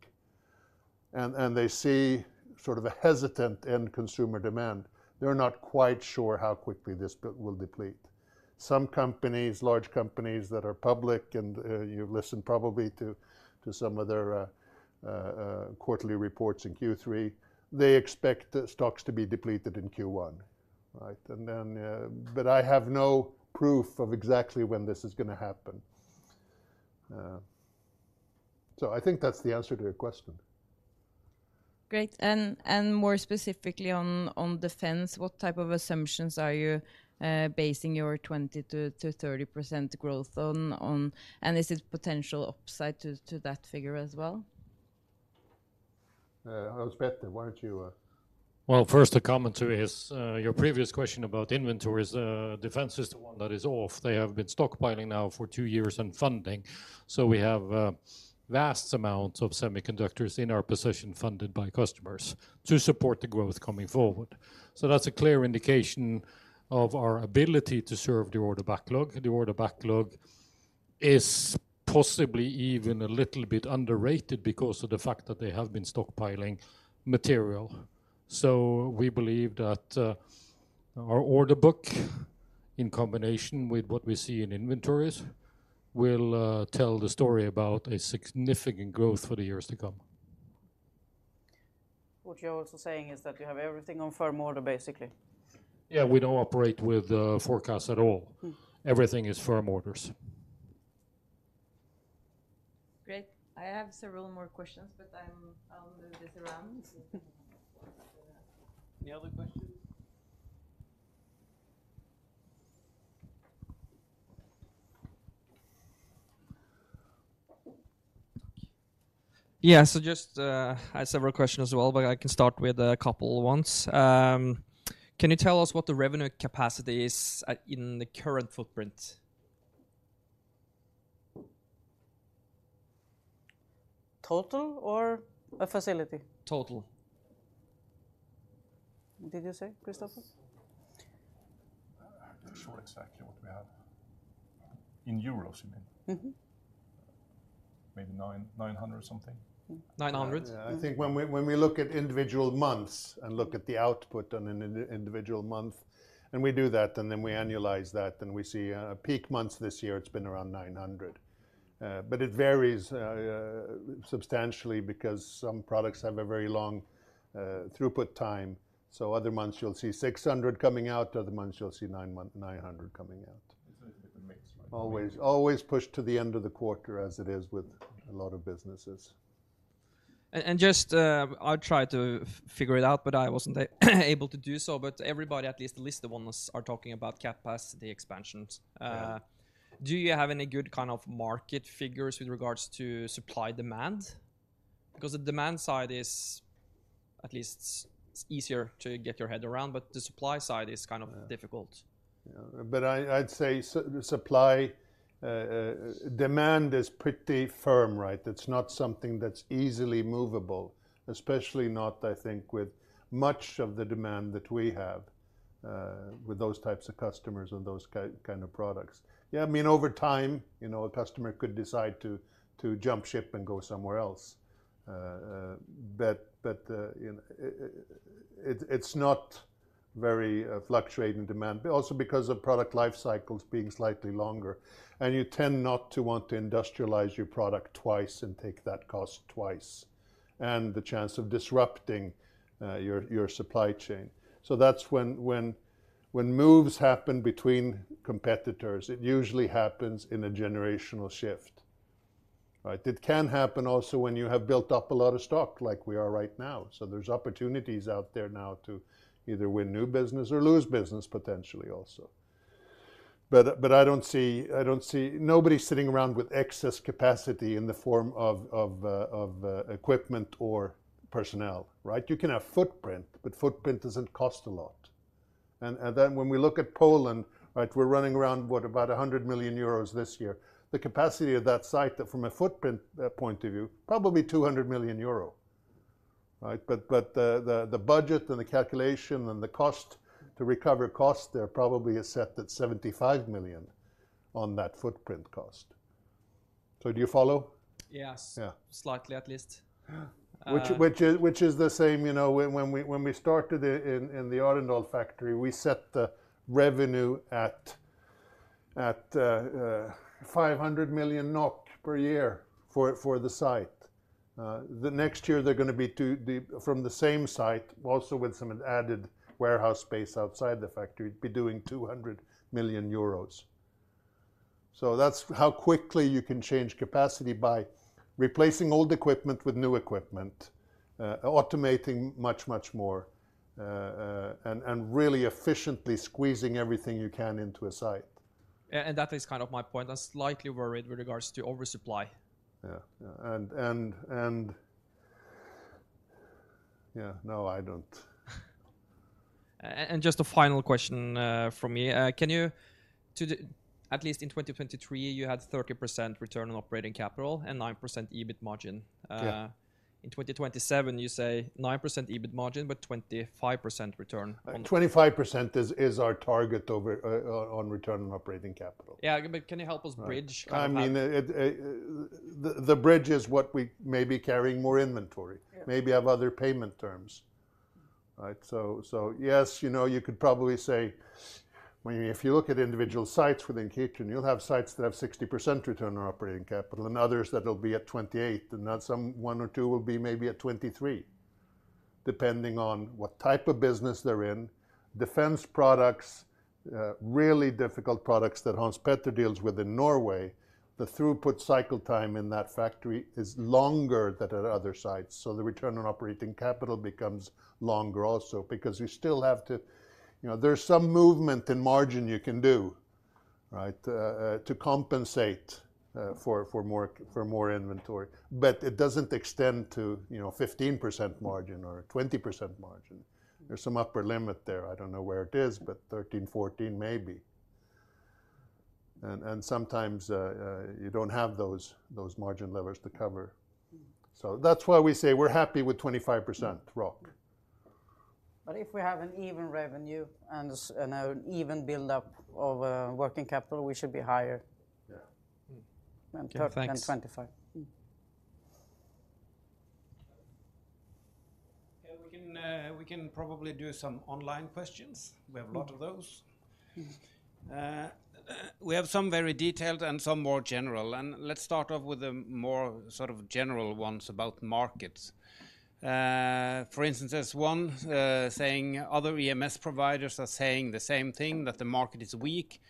and they see sort of a hesitant end consumer demand. They're not quite sure how quickly this buildup will deplete. Some companies, large companies that are public, and you've listened probably to some of their quarterly reports in Q3. They expect the stocks to be depleted in Q1, right? And then, but I have no proof of exactly when this is gonna happen. So I think that's the answer to your question. Great. And more specifically on Defence, what type of assumptions are you basing your 20%-30% growth on, and is it potential upside to that figure as well? Hans Petter, why don't you...? Well, first, a comment to his, your previous question about inventories. Defence is the one that is off. They have been stockpiling now for two years and funding, so we have vast amounts of semiconductors in our possession, funded by customers to support the growth coming forward. So that's a clear indication of our ability to serve the order backlog. The order backlog is possibly even a little bit underrated because of the fact that they have been stockpiling material. So we believe that our order book, in combination with what we see in inventories, will tell the story about a significant growth for the years to come. What you're also saying is that you have everything on firm order, basically. Yeah, we don't operate with forecasts at all. Mm. Everything is firm orders. Great. I have several more questions, but I'll move this around. Any other questions? Yeah, so just, I have several questions as well, but I can start with a couple ones. Can you tell us what the revenue capacity is at, in the current footprint? Total or a facility? Total. Did you say, Kristoffer? I'm not sure exactly what we have. In euros, you mean? Mm-hmm. Maybe 9, 900 something. Nine hundred? Yeah. I think when we look at individual months and look at the output on an individual month, and we do that, and then we annualize that, then we see peak months this year, it's been around 900. But it varies substantially because some products have a very long throughput time. So other months you'll see 600 coming out, other months you'll see 900 coming out. It's a different mix, right? Always, always pushed to the end of the quarter, as it is with a lot of businesses. I tried to figure it out, but I wasn't able to do so, but everybody, at least the listed ones, are talking about capacity expansions. Mm-hmm. Do you have any good kind of market figures with regards to supply-demand? Because the demand side is at least easier to get your head around, but the supply side is kind of- Yeah... difficult. Yeah. But I'd say supply demand is pretty firm, right? It's not something that's easily movable, especially not, I think, with much of the demand that we have with those types of customers and those kind of products. Yeah, I mean, over time, you know, a customer could decide to jump ship and go somewhere else. But it's not very fluctuating demand. But also because of product life cycles being slightly longer, and you tend not to want to industrialize your product twice and take that cost twice, and the chance of disrupting your supply chain. So that's when moves happen between competitors, it usually happens in a generational shift, right? It can happen also when you have built up a lot of stock, like we are right now. So there's opportunities out there now to either win new business or lose business, potentially, also. But, but I don't see, I don't see - nobody's sitting around with excess capacity in the form of, of, of, equipment or personnel, right? You can have footprint, but footprint doesn't cost a lot. And, and then when we look at Poland, right, we're running around, what? About 100 million euros this year. The capacity of that site, that from a footprint, point of view, probably 200 million euro, right? But, but the, the, the budget and the calculation and the cost to recover costs there probably is set at 75 million on that footprint cost. So do you follow? Yes. Yeah. Slightly, at least. Which is the same, you know, when we started in the Arendal factory, we set the revenue at 500 million NOK per year for the site. The next year, they're gonna be from the same site, also with some added warehouse space outside the factory, doing 200 million euros. So that's how quickly you can change capacity by replacing old equipment with new equipment, automating much more, and really efficiently squeezing everything you can into a site. Yeah, and that is kind of my point. I'm slightly worried with regards to oversupply. Yeah. Yeah, and yeah, no, I don't. ... and just a final question from me. Can you, to the, at least in 2023, you had 30% return on operating capital and 9% EBIT margin. Yeah. In 2027, you say 9% EBIT margin, but 25% return on- 25% is our target over on return on operating capital. Yeah, but can you help us bridge kind of how- I mean, the bridge is what we may be carrying more inventory. Yeah. Maybe have other payment terms, right? So yes, you know, you could probably say when you... If you look at individual sites within Kitron, you'll have sites that have 60% return on operating capital and others that'll be at 28%, and then some one or two will be maybe at 23%, depending on what type of business they're in. Defence products, really difficult products that Hans Petter deals with in Norway, the throughput cycle time in that factory is longer than at other sites. So the return on operating capital becomes longer also, because you still have to... You know, there's some movement in margin you can do, right, to compensate for more inventory. But it doesn't extend to, you know, 15% margin or 20% margin. There's some upper limit there. I don't know where it is, but 13%, 14%, maybe. And sometimes you don't have those margin levers to cover. So that's why we say we're happy with 25% ROC. But if we have an even revenue and an even build-up of working capital, we should be higher- Yeah. Mm. Okay, thanks. than 25. Yeah, we can, we can probably do some online questions. We have a lot of those. Mm. We have some very detailed and some more general, and let's start off with the more sort of general ones about markets. For instance, there's one saying, "Other EMS providers are saying the same thing, that the market is weak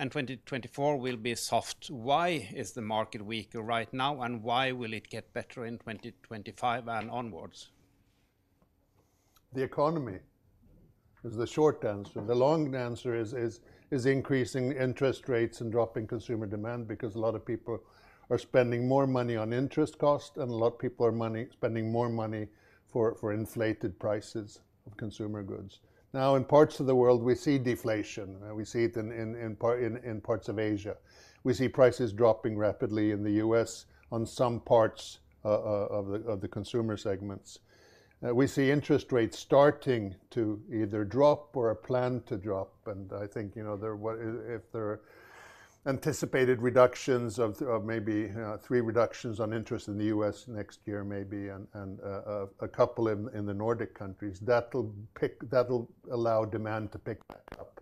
and 2024 will be soft. Why is the market weak right now, and why will it get better in 2025 and onwards? The economy is the short answer. The long answer is increasing interest rates and dropping consumer demand, because a lot of people are spending more money on interest cost, and a lot of people are spending more money for inflated prices of consumer goods. Now, in parts of the world, we see deflation, and we see it in parts of Asia. We see prices dropping rapidly in the U.S. on some parts of the consumer segments. We see interest rates starting to either drop or are planned to drop, and I think, you know, if there are anticipated reductions of maybe three reductions on interest in the U.S. next year, maybe, and a couple in the Nordic countries, that'll allow demand to pick back up.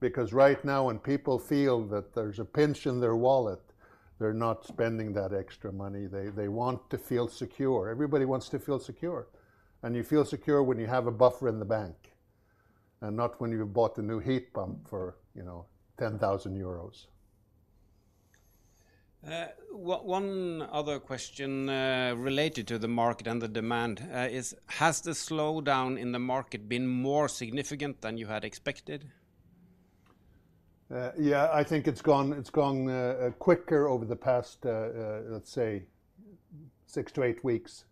Because right now, when people feel that there's a pinch in their wallet, they're not spending that extra money. They want to feel secure. Everybody wants to feel secure, and you feel secure when you have a buffer in the bank and not when you've bought the new heat pump for, you know, 10,000 euros. One other question, related to the market and the demand, is: Has the slowdown in the market been more significant than you had expected? Yeah, I think it's gone quicker over the past, let's say, six to eight weeks.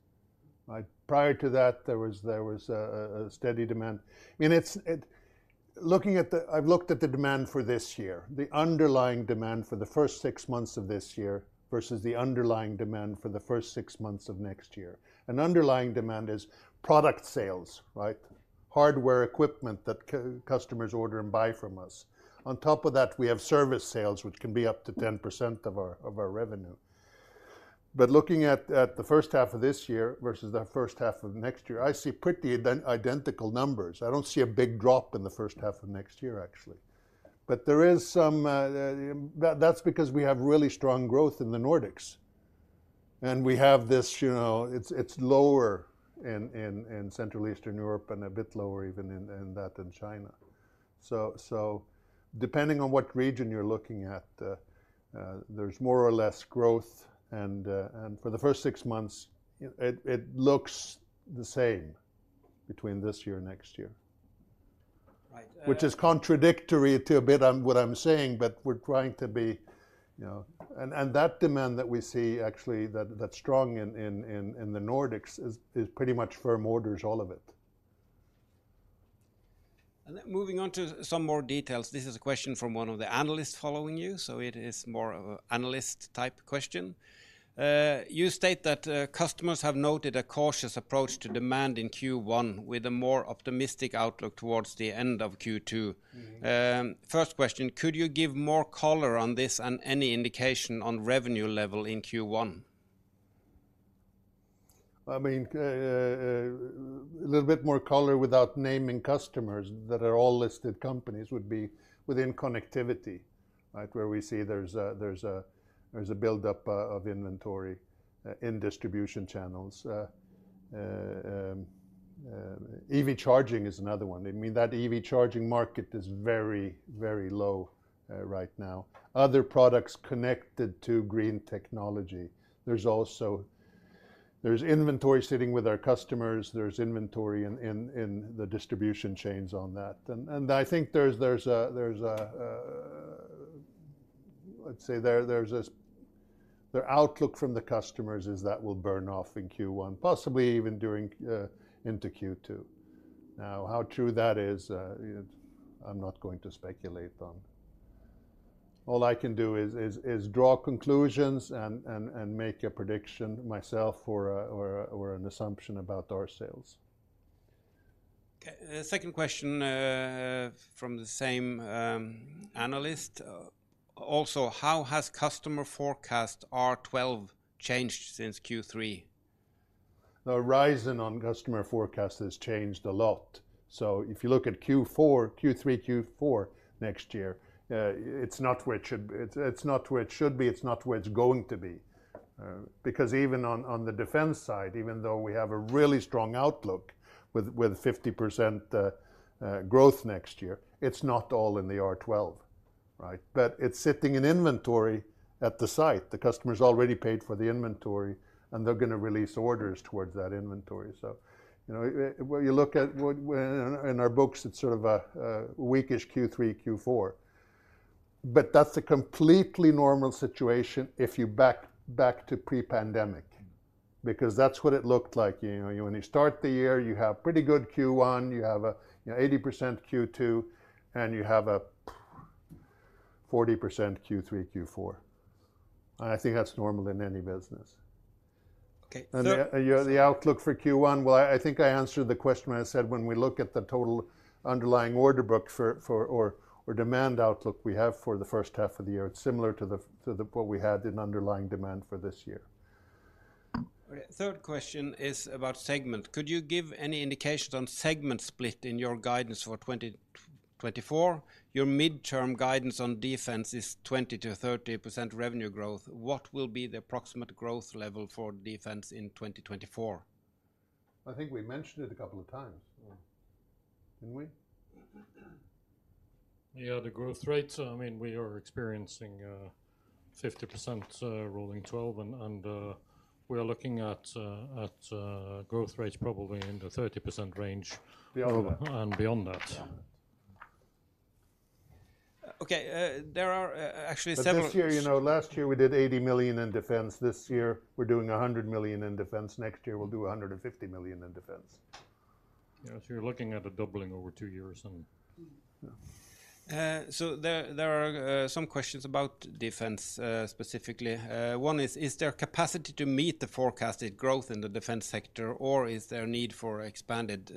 Right. Prior to that, there was a steady demand. I mean, looking at the demand for this year, the underlying demand for the first six months of this year versus the underlying demand for the first six months of next year. And underlying demand is product sales, right? Hardware equipment that customers order and buy from us. On top of that, we have service sales, which can be up to 10% of our revenue. But looking at the first half of this year versus the first half of next year, I see pretty identical numbers. I don't see a big drop in the first half of next year, actually. But there is some. That's because we have really strong growth in the Nordics, and we have this, you know, it's lower in Central Eastern Europe and a bit lower even in that than China. So depending on what region you're looking at, there's more or less growth and for the first six months, it looks the same between this year and next year. Right, uh- Which is contradictory to a bit of what I'm saying, but we're trying to be, you know... And that demand that we see actually, that's strong in the Nordics, is pretty much firm orders, all of it. Then moving on to some more details. This is a question from one of the analysts following you, so it is more of an analyst-type question. You state that customers have noted a cautious approach to demand in Q1 with a more optimistic outlook towards the end of Q2. Mm-hmm. First question, could you give more color on this and any indication on revenue level in Q1? I mean, a little bit more color without naming customers, that are all listed companies, would be within Connectivity, right? Where we see there's a build-up of inventory in distribution channels. EV charging is another one. I mean, that EV charging market is very, very low right now. Other products connected to green technology, there's also... There's inventory sitting with our customers, there's inventory in the distribution chains on that. And I think there's a... let's say the outlook from the customers is that will burn off in Q1, possibly even during into Q2. Now, how true that is, you know, I'm not going to speculate on. All I can do is draw conclusions and make a prediction myself for an assumption about our sales. Okay, second question from the same analyst. Also, how has customer forecast R12 changed since Q3? The horizon on customer forecast has changed a lot. So if you look at Q4, Q3, Q4 next year, it's not where it should be, it's not where it's going to be. Because even on the Defence side, even though we have a really strong outlook with 50% growth next year, it's not all in the R12, right? But it's sitting in inventory at the site. The customer's already paid for the inventory, and they're gonna release orders towards that inventory. So, you know, when you look at what in our books, it's sort of a weak-ish Q3, Q4. But that's a completely normal situation if you back to pre-pandemic, because that's what it looked like. You know, when you start the year, you have pretty good Q1, you have, you know, 80% Q2, and you have 40% Q3, Q4. And I think that's normal in any business. Okay, third- The outlook for Q1, well, I think I answered the question when I said when we look at the total underlying order book or demand outlook we have for the first half of the year, it's similar to what we had in underlying demand for this year. Third question is about segment. Could you give any indications on segment split in your guidance for 2024? Your midterm guidance on Defence is 20%-30% revenue growth. What will be the approximate growth level for Defence in 2024? I think we mentioned it a couple of times, didn't we? Yeah, the growth rates, I mean, we are experiencing 50%, rolling 12, and we are looking at growth rates probably in the 30% range- Beyond that. Beyond that. Yeah. Okay, there are, actually several- But this year, you know, last year we did 80 million in Defence. This year, we're doing 100 million in Defence. Next year, we'll do 150 million in Defence. Yes, you're looking at a doubling over two years and... Yeah. So there are some questions about Defence, specifically. One is, is there capacity to meet the forecasted growth in the Defence sector, or is there a need for expanded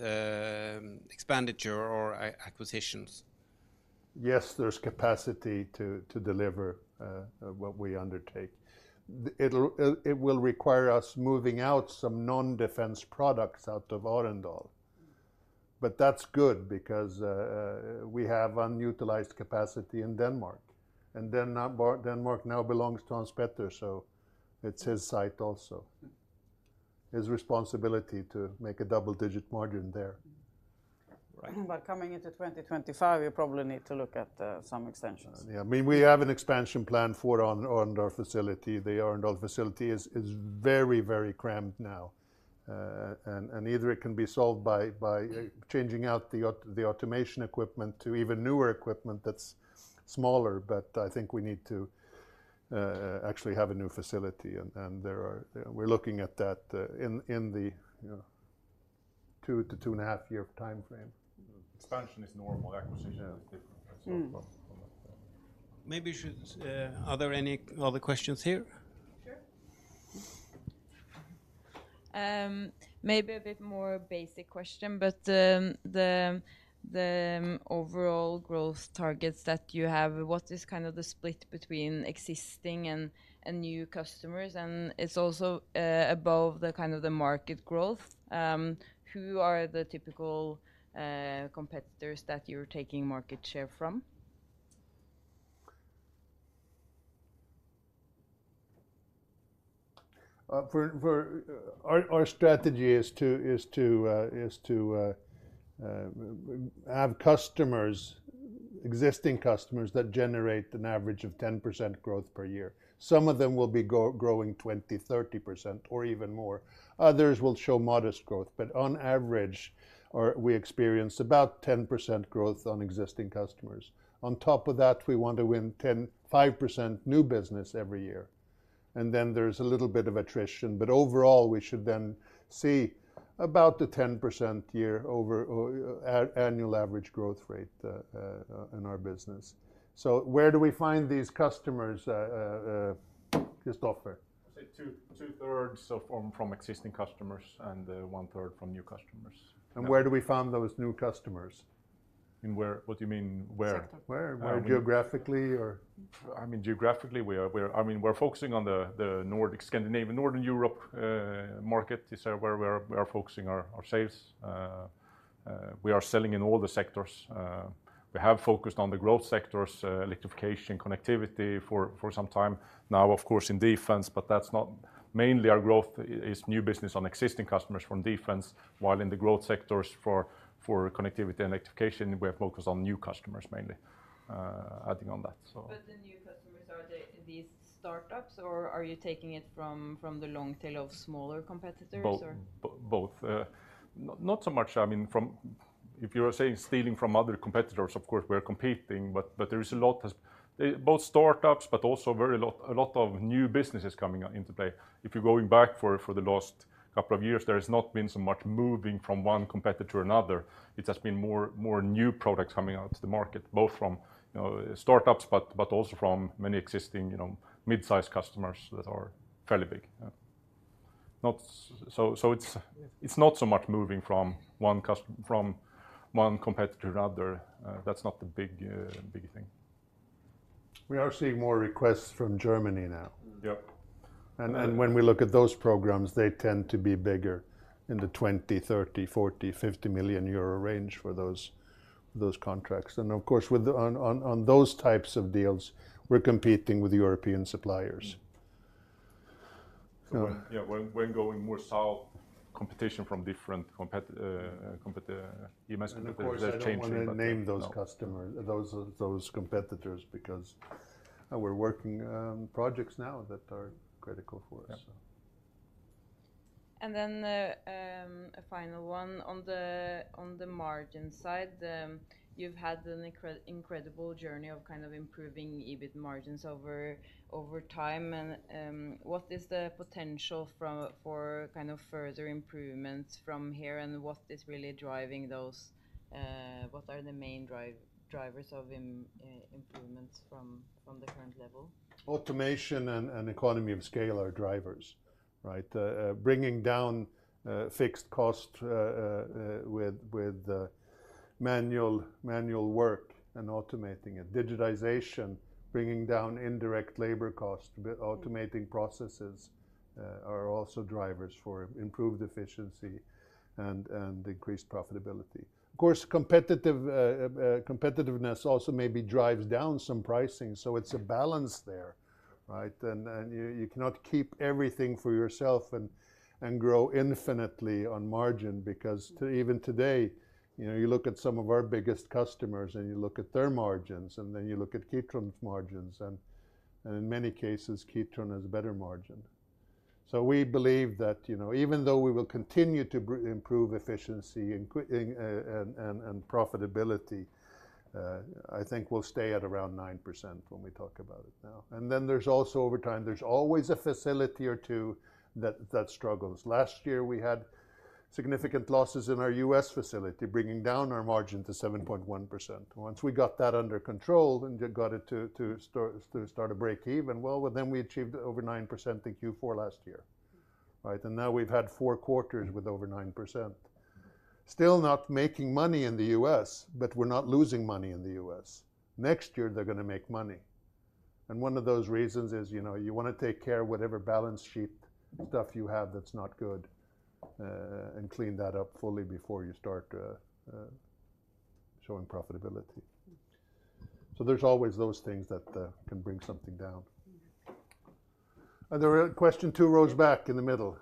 expenditure or acquisitions? Yes, there's capacity to deliver what we undertake. It will require us moving out some non-Defence products out of Arendal. But that's good because we have unutilized capacity in Denmark, and Denmark now belongs to Hans Petter, so it's his site also. His responsibility to make a double-digit margin there. Right. Coming into 2025, you probably need to look at some extensions. Yeah. I mean, we have an expansion plan for our Arendal facility. The Arendal facility is very, very crammed now. And either it can be solved by changing out the automation equipment to even newer equipment that's smaller, but I think we need to actually have a new facility. And there are-- we're looking at that in the you know two to two and a half year timeframe. Expansion is normal. Acquisition is different. Mm. So... Maybe you should, are there any other questions here? Sure. Maybe a bit more basic question, but the overall growth targets that you have, what is kind of the split between existing and new customers? And it's also above the kind of market growth. Who are the typical competitors that you're taking market share from? Our strategy is to have existing customers that generate an average of 10% growth per year. Some of them will be growing 20%-30% or even more. Others will show modest growth, but on average, we experience about 10% growth on existing customers. On top of that, we want to win 5% new business every year. And then there's a little bit of attrition, but overall, we should then see about the 10% year-over-year annual average growth rate in our business. So where do we find these customers, Kristoffer? I'd say 2/3 from existing customers and 1/3 from new customers. Where do we find those new customers? You mean where? What do you mean, where? Sector. Where geographically, or? I mean, geographically, we are focusing on the Nordic, Scandinavian, Northern Europe market. These are where we are focusing our sales. We are selling in all the sectors. We have focused on the growth sectors, Electrification, Connectivity for some time now, of course, in Defence, but that's not mainly our growth. It is new business on existing customers from Defence, while in the growth sectors for Connectivity and Electrification, we are focused on new customers, mainly, adding on that, so. The new customers, are they, these startups, or are you taking it from, from the long tail of smaller competitors, or? Both. Not so much, I mean, if you are saying stealing from other competitors, of course, we are competing, but there is a lot as both startups, but also very lot, a lot of new businesses coming out into play. If you're going back for the last couple of years, there has not been so much moving from one competitor to another. It has been more new products coming out to the market, both from startups, but also from many existing, you know, mid-size customers that are fairly big. Not so, it's not so much moving from one competitor to other. That's not the big thing. We are seeing more requests from Germany now. Yep. And then, when we look at those programs, they tend to be bigger in the 20 million, 30 million, 40 million, 50 million euro range for those contracts. And of course, with the... on those types of deals, we're competing with European suppliers. Yeah, when going more south, competition from different EMS competitors are changing- Of course, I don't wanna name those customers, those competitors because we're working on projects now that are critical for us. Yeah. A final one on the margin side. You've had an incredible journey of kind of improving EBIT margins over time, and what is the potential for kind of further improvements from here, and what is really driving those, what are the main drivers of improvements from the current level? Automation and economy of scale are drivers, right? Bringing down fixed cost with manual work and automating it. Digitization, bringing down indirect labor cost, but automating processes are also drivers for improved efficiency and increased profitability. Of course, competitiveness also maybe drives down some pricing, so it's a balance there, right? And you cannot keep everything for yourself and grow infinitely on margin because- Mm... even today, you know, you look at some of our biggest customers, and you look at their margins, and then you look at Kitron's margins, and in many cases, Kitron has a better margin. So we believe that, you know, even though we will continue to improve efficiency and profitability, I think we'll stay at around 9% when we talk about it now. And then, there's also over time, there's always a facility or two that struggles. Last year, we had significant losses in our U.S. facility, bringing down our margin to 7.1%. Once we got that under control and got it to break even, well, then we achieved over 9% in Q4 last year, right? And now we've had four quarters with over 9%. Still not making money in the U.S., but we're not losing money in the U.S. Next year, they're gonna make money. And one of those reasons is, you know, you wanna take care whatever balance sheet stuff you have that's not good, and clean that up fully before you start showing profitability. So there's always those things that can bring something down. Mm. There's a question two rows back in the middle.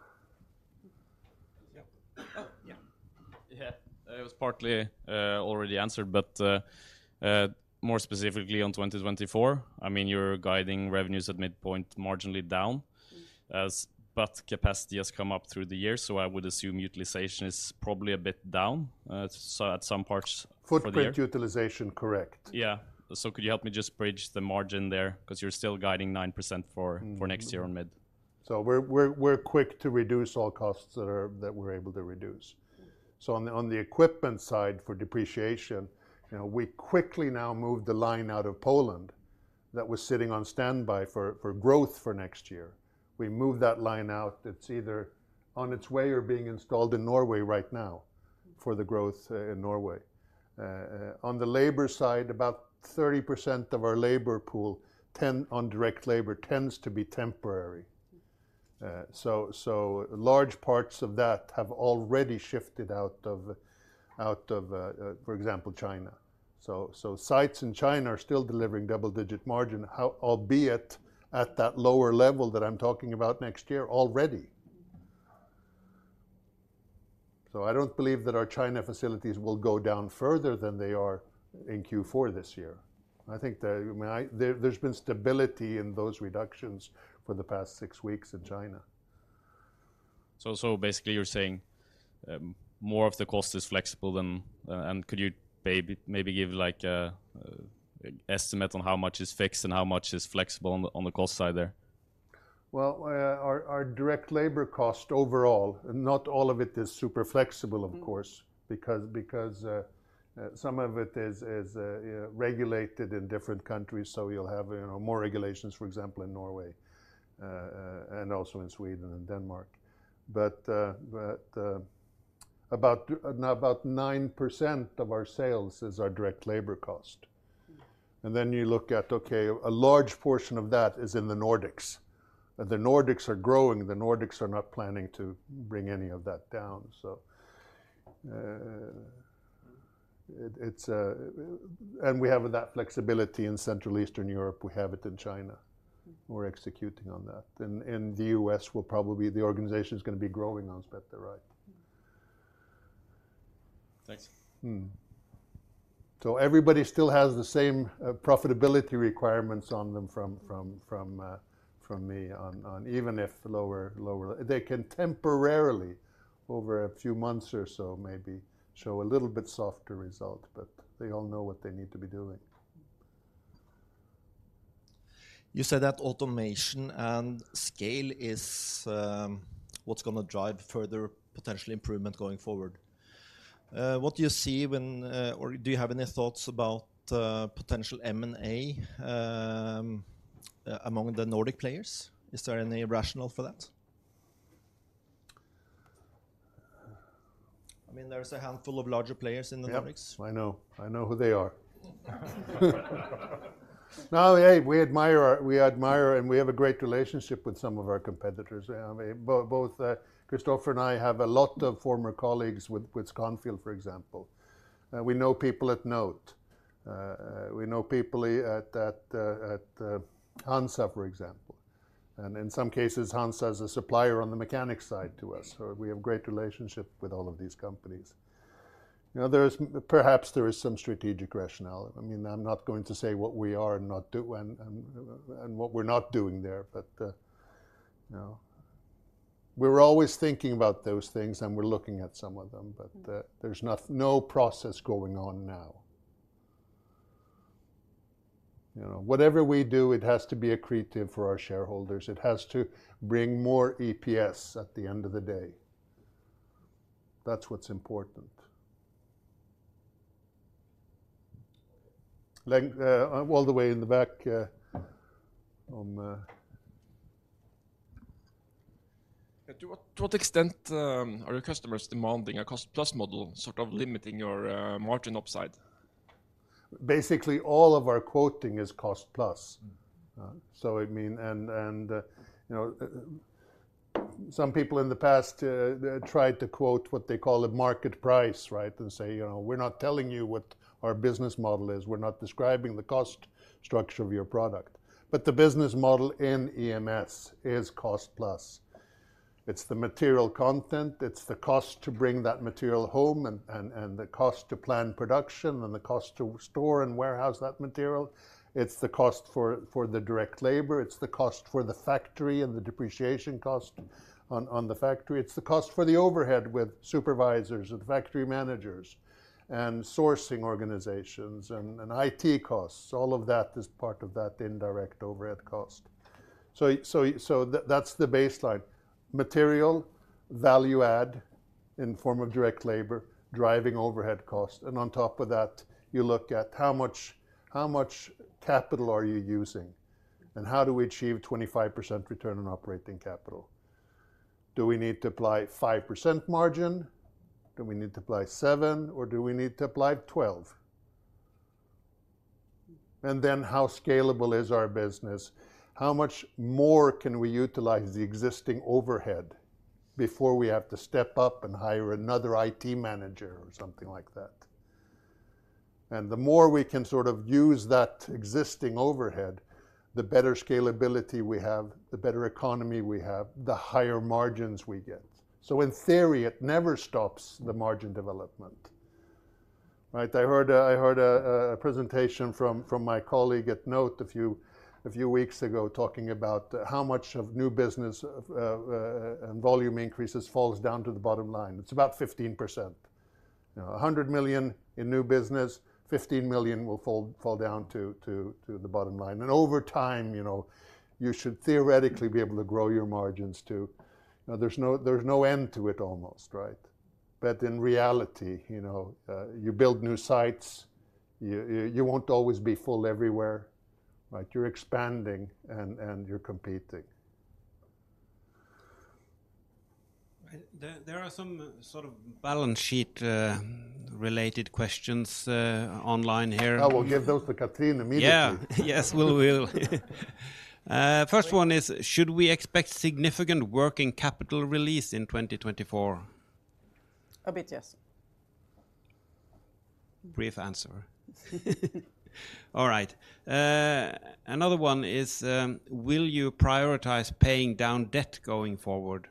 Yeah. Yeah. Yeah, it was partly already answered, but, more specifically on 2024, I mean, you're guiding revenues at midpoint marginally down, but capacity has come up through the year, so I would assume utilization is probably a bit down, so at some parts for the year. Footprint utilization, correct. Yeah. So could you help me just bridge the margin there? 'Cause you're still guiding 9% for- Mm... for next year on mid. We're quick to reduce all costs that we're able to reduce. Mm. So on the equipment side for depreciation, you know, we quickly now moved the line out of Poland that was sitting on standby for growth for next year. We moved that line out. It's either on its way or being installed in Norway right now for the growth in Norway. On the labor side, about 30% of our labor pool—on direct labor tends to be temporary. So large parts of that have already shifted out of, for example, China. So sites in China are still delivering double-digit margin, albeit at that lower level that I'm talking about next year already. So I don't believe that our China facilities will go down further than they are in Q4 this year. I think, I mean, there's been stability in those reductions for the past six weeks in China. So basically, you're saying more of the cost is flexible than... And could you maybe give, like, a estimate on how much is fixed and how much is flexible on the cost side there? Well, our direct labor cost overall, and not all of it is super flexible, of course- Mm... because some of it is yeah regulated in different countries, so you'll have, you know, more regulations, for example, in Norway, and also in Sweden and Denmark. But about 9% of our sales is our direct labor cost. Mm. And then you look at, okay, a large portion of that is in the Nordics, and the Nordics are growing, the Nordics are not planning to bring any of that down. So, it, it's, and we have that flexibility in Central Eastern Europe, we have it in China. Mm. We're executing on that. And the U.S. will probably be, the organization's gonna be growing on spot, right? Thanks. Everybody still has the same profitability requirements on them from me, even if lower. They can temporarily, over a few months or so, maybe show a little bit softer result, but they all know what they need to be doing. You said that automation and scale is what's gonna drive further potential improvement going forward. What do you see when, or do you have any thoughts about potential M&A among the Nordic players? Is there any rationale for that? I mean, there is a handful of larger players in the Nordics. Yep, I know. I know who they are. Now, hey, we admire, we admire, and we have a great relationship with some of our competitors. Both Kristoffer and I have a lot of former colleagues with Scanfil, for example. We know people at NOTE. We know people at HANZA, for example. And in some cases, HANZA is a supplier on the mechanic side to us, so we have great relationship with all of these companies. You know, there is perhaps some strategic rationale. I mean, I'm not going to say what we are and not do and what we're not doing there, but you know, we're always thinking about those things, and we're looking at some of them, but there's no process going on now. You know, whatever we do, it has to be accretive for our shareholders. It has to bring more EPS at the end of the day. That's what's important. Like, all the way in the back, on the... To what extent are your customers demanding a cost-plus model, sort of limiting your margin upside? Basically, all of our quoting is cost plus. Mm-hmm. So I mean, you know, some people in the past tried to quote what they call a market price, right? And say: You know, we're not telling you what our business model is. We're not describing the cost structure of your product. But the business model in EMS is cost plus. It's the material content, it's the cost to bring that material home, and the cost to plan production, and the cost to store and warehouse that material. It's the cost for the direct labor. It's the cost for the factory and the depreciation cost on the factory. It's the cost for the overhead with supervisors and factory managers and sourcing organizations and IT costs. All of that is part of that indirect overhead cost. So that's the baseline. Material, value add in form of direct labor, driving overhead cost, and on top of that, you look at how much, how much capital are you using, and how do we achieve 25% return on operating capital? Do we need to apply 5% margin? Do we need to apply 7%, or do we need to apply 12%? And then, how scalable is our business? How much more can we utilize the existing overhead before we have to step up and hire another IT manager or something like that? And the more we can sort of use that existing overhead, the better scalability we have, the better economy we have, the higher margins we get. So in theory, it never stops the margin development, right? I heard a presentation from my colleague at NOTE a few weeks ago, talking about how much of new business and volume increases falls down to the bottom line. It's about 15%. A hundred million in new business, 15 million will fall down to the bottom line. And over time, you know, you should theoretically be able to grow your margins, too. There's no end to it, almost, right? But in reality, you know, you build new sites, you won't always be full everywhere, right? You're expanding and you're competing. Right. There are some sort of balance sheet related questions online here. Oh, we'll give those to Cathrin immediately. Yeah. Yes, we will. First one is: Should we expect significant working capital release in 2024? A bit, yes. Brief answer. All right. Another one is: Will you prioritize paying down debt going forward?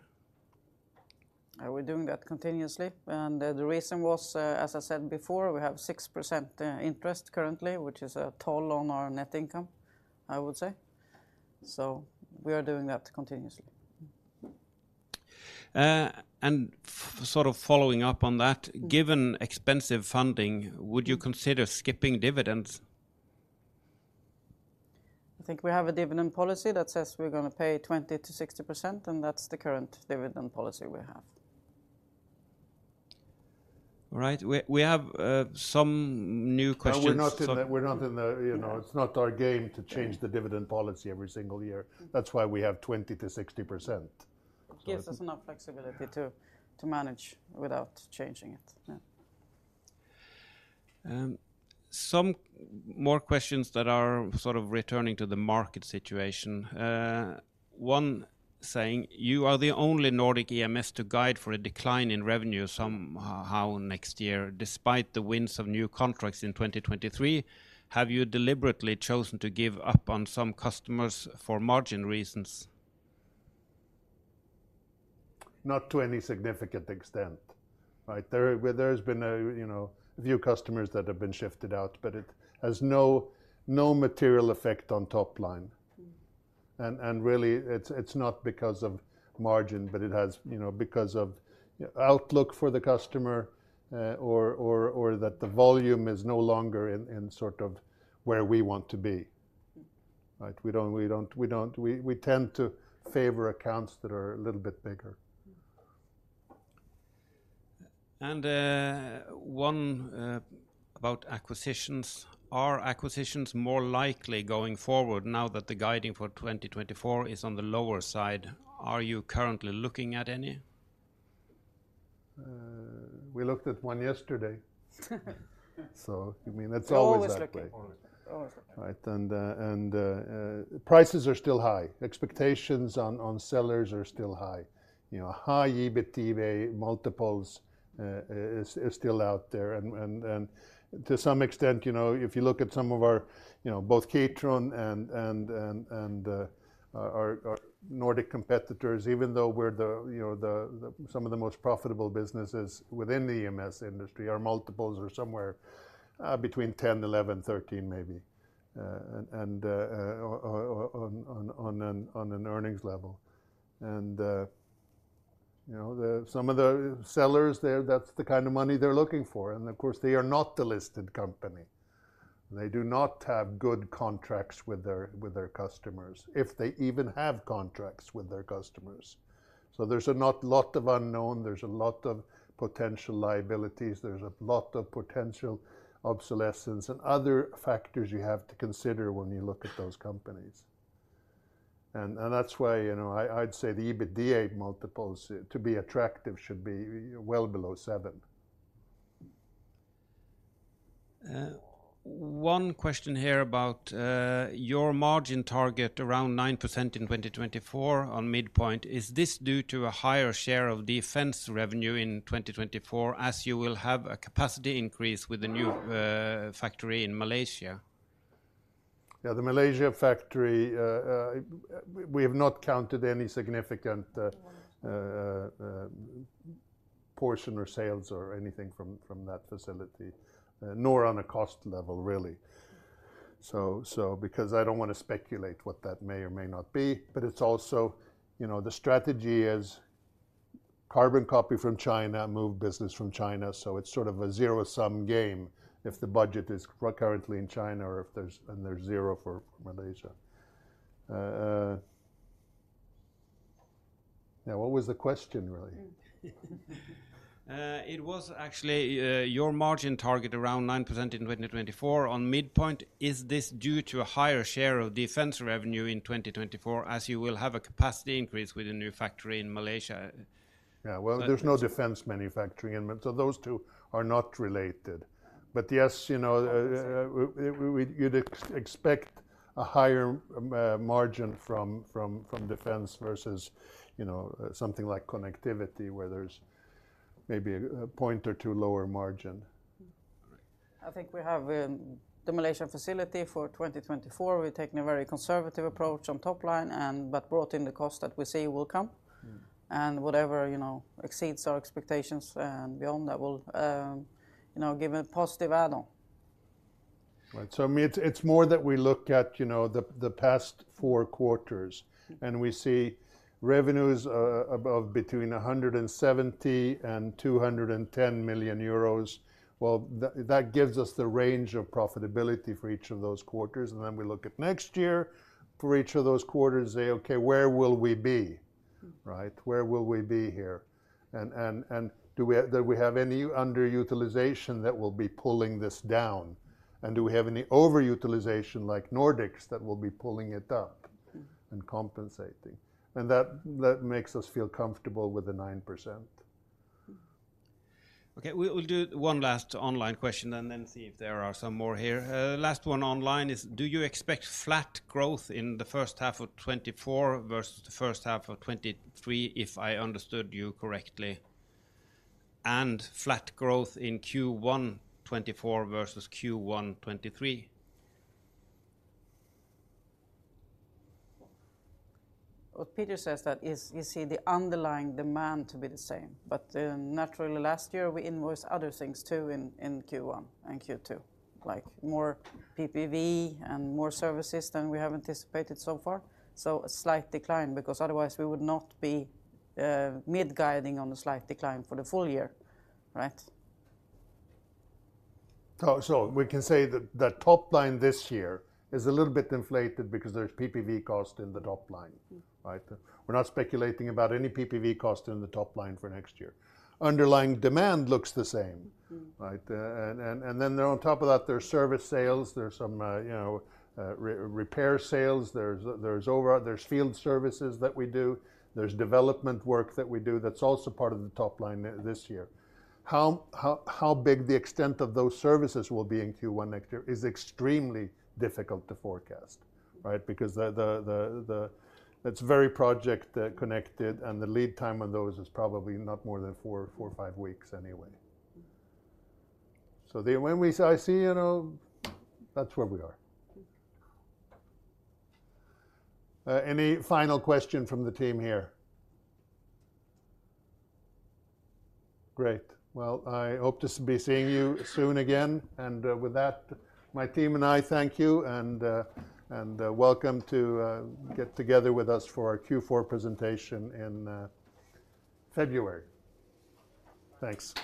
We're doing that continuously, and the reason was, as I said before, we have 6% interest currently, which is a toll on our net income, I would say. So we are doing that continuously. And sort of following up on that- Mm. Given expensive funding, would you consider skipping dividends? I think we have a dividend policy that says we're gonna pay 20%-60%, and that's the current dividend policy we have. All right. We have some new questions- And we're not in the- Yeah. - you know, it's not our game- Yeah - to change the dividend policy every single year. Mm. That's why we have 20%-60%. It gives us enough flexibility- Yeah... to manage without changing it. Yeah. Some more questions that are sort of returning to the market situation. One saying: "You are the only Nordic EMS to guide for a decline in revenue somehow next year, despite the wins of new contracts in 2023. Have you deliberately chosen to give up on some customers for margin reasons?... not to any significant extent, right? There, where there's been a, you know, few customers that have been shifted out, but it has no, no material effect on top line. Mm. And really, it's not because of margin, but it has, you know, because of outlook for the customer, or that the volume is no longer in sort of where we want to be. Right? We don't—we tend to favor accounts that are a little bit bigger. One about acquisitions. Are acquisitions more likely going forward now that the guidance for 2024 is on the lower side? Are you currently looking at any? We looked at one yesterday. So, you mean, it's always that way. We're always looking. Always. Always looking. Right. Prices are still high. Expectations on sellers are still high. You know, high EBITDA multiples is still out there. And to some extent, you know, if you look at some of our, you know, both Kitron and our Nordic competitors, even though we're the, you know, some of the most profitable businesses within the EMS industry, our multiples are somewhere between 10, 11, 13 maybe. And on an earnings level. And you know, some of the sellers there, that's the kind of money they're looking for, and of course, they are not the listed company. They do not have good contracts with their customers, if they even have contracts with their customers. There's a lot of unknown, there's a lot of potential liabilities, there's a lot of potential obsolescence and other factors you have to consider when you look at those companies. That's why, you know, I'd say the EBITDA multiples, to be attractive, should be well below seven. One question here about your margin target around 9% in 2024 on midpoint. Is this due to a higher share of Defence revenue in 2024, as you will have a capacity increase with the new factory in Malaysia? Yeah, the Malaysia factory, we have not counted any significant portion or sales or anything from that facility, nor on a cost level, really. So because I don't wanna speculate what that may or may not be, but it's also, you know, the strategy is carbon copy from China, move business from China, so it's sort of a zero-sum game if the budget is currently in China or if there's and there's zero for Malaysia. Now, what was the question, really? It was actually, your margin target around 9% in 2024 on midpoint. Is this due to a higher share of Defence revenue in 2024, as you will have a capacity increase with a new factory in Malaysia? Yeah, well, there's no Defence manufacturing in, so those two are not related. But yes, you know, we'd expect a higher margin from Defence versus, you know, something like Connectivity, where there's maybe a point or two lower margin. I think we have the Malaysia facility for 2024. We're taking a very conservative approach on top line and but brought in the cost that we see will come. Mm. Whatever, you know, exceeds our expectations and beyond that will, you know, give a positive add-on. Right. So it's more that we look at, you know, the past four quarters, and we see revenues above between 170 million and 210 million euros. Well, that gives us the range of profitability for each of those quarters, and then we look at next year for each of those quarters and say, "Okay, where will we be? Mm. Right? Where will we be here? And do we have... Do we have any underutilization that will be pulling this down? And do we have any overutilization like Nordics that will be pulling it up? Mm and compensating? And that, that makes us feel comfortable with the 9%. Mm. Okay, we'll, we'll do one last online question and then see if there are some more here. Last one online is: Do you expect flat growth in the first half of 2024 versus the first half of 2023, if I understood you correctly, and flat growth in Q1 2024 versus Q1 2023? What Peter says that is, you see the underlying demand to be the same, but, naturally last year we invoiced other things too in Q1 and Q2, like more PPV and more services than we have anticipated so far. So a slight decline, because otherwise we would not be mid-guiding on a slight decline for the full year, right? So, we can say that the top line this year is a little bit inflated because there's PPV cost in the top line. Mm. Right? We're not speculating about any PPV cost in the top line for next year. Underlying demand looks the same. Mm. Right? And then on top of that, there's service sales, there's some, you know, repair sales, there's field services that we do, there's development work that we do that's also part of the top line this year. How big the extent of those services will be in Q1 next year is extremely difficult to forecast, right? Because that's very project connected, and the lead time on those is probably not more than four or five weeks anyway. Mm. So, I see, you know, that's where we are. Mm. Any final question from the team here? Great. Well, I hope to be seeing you soon again. And, with that, my team and I thank you, and, and, welcome to get together with us for our Q4 presentation in, February. Thanks.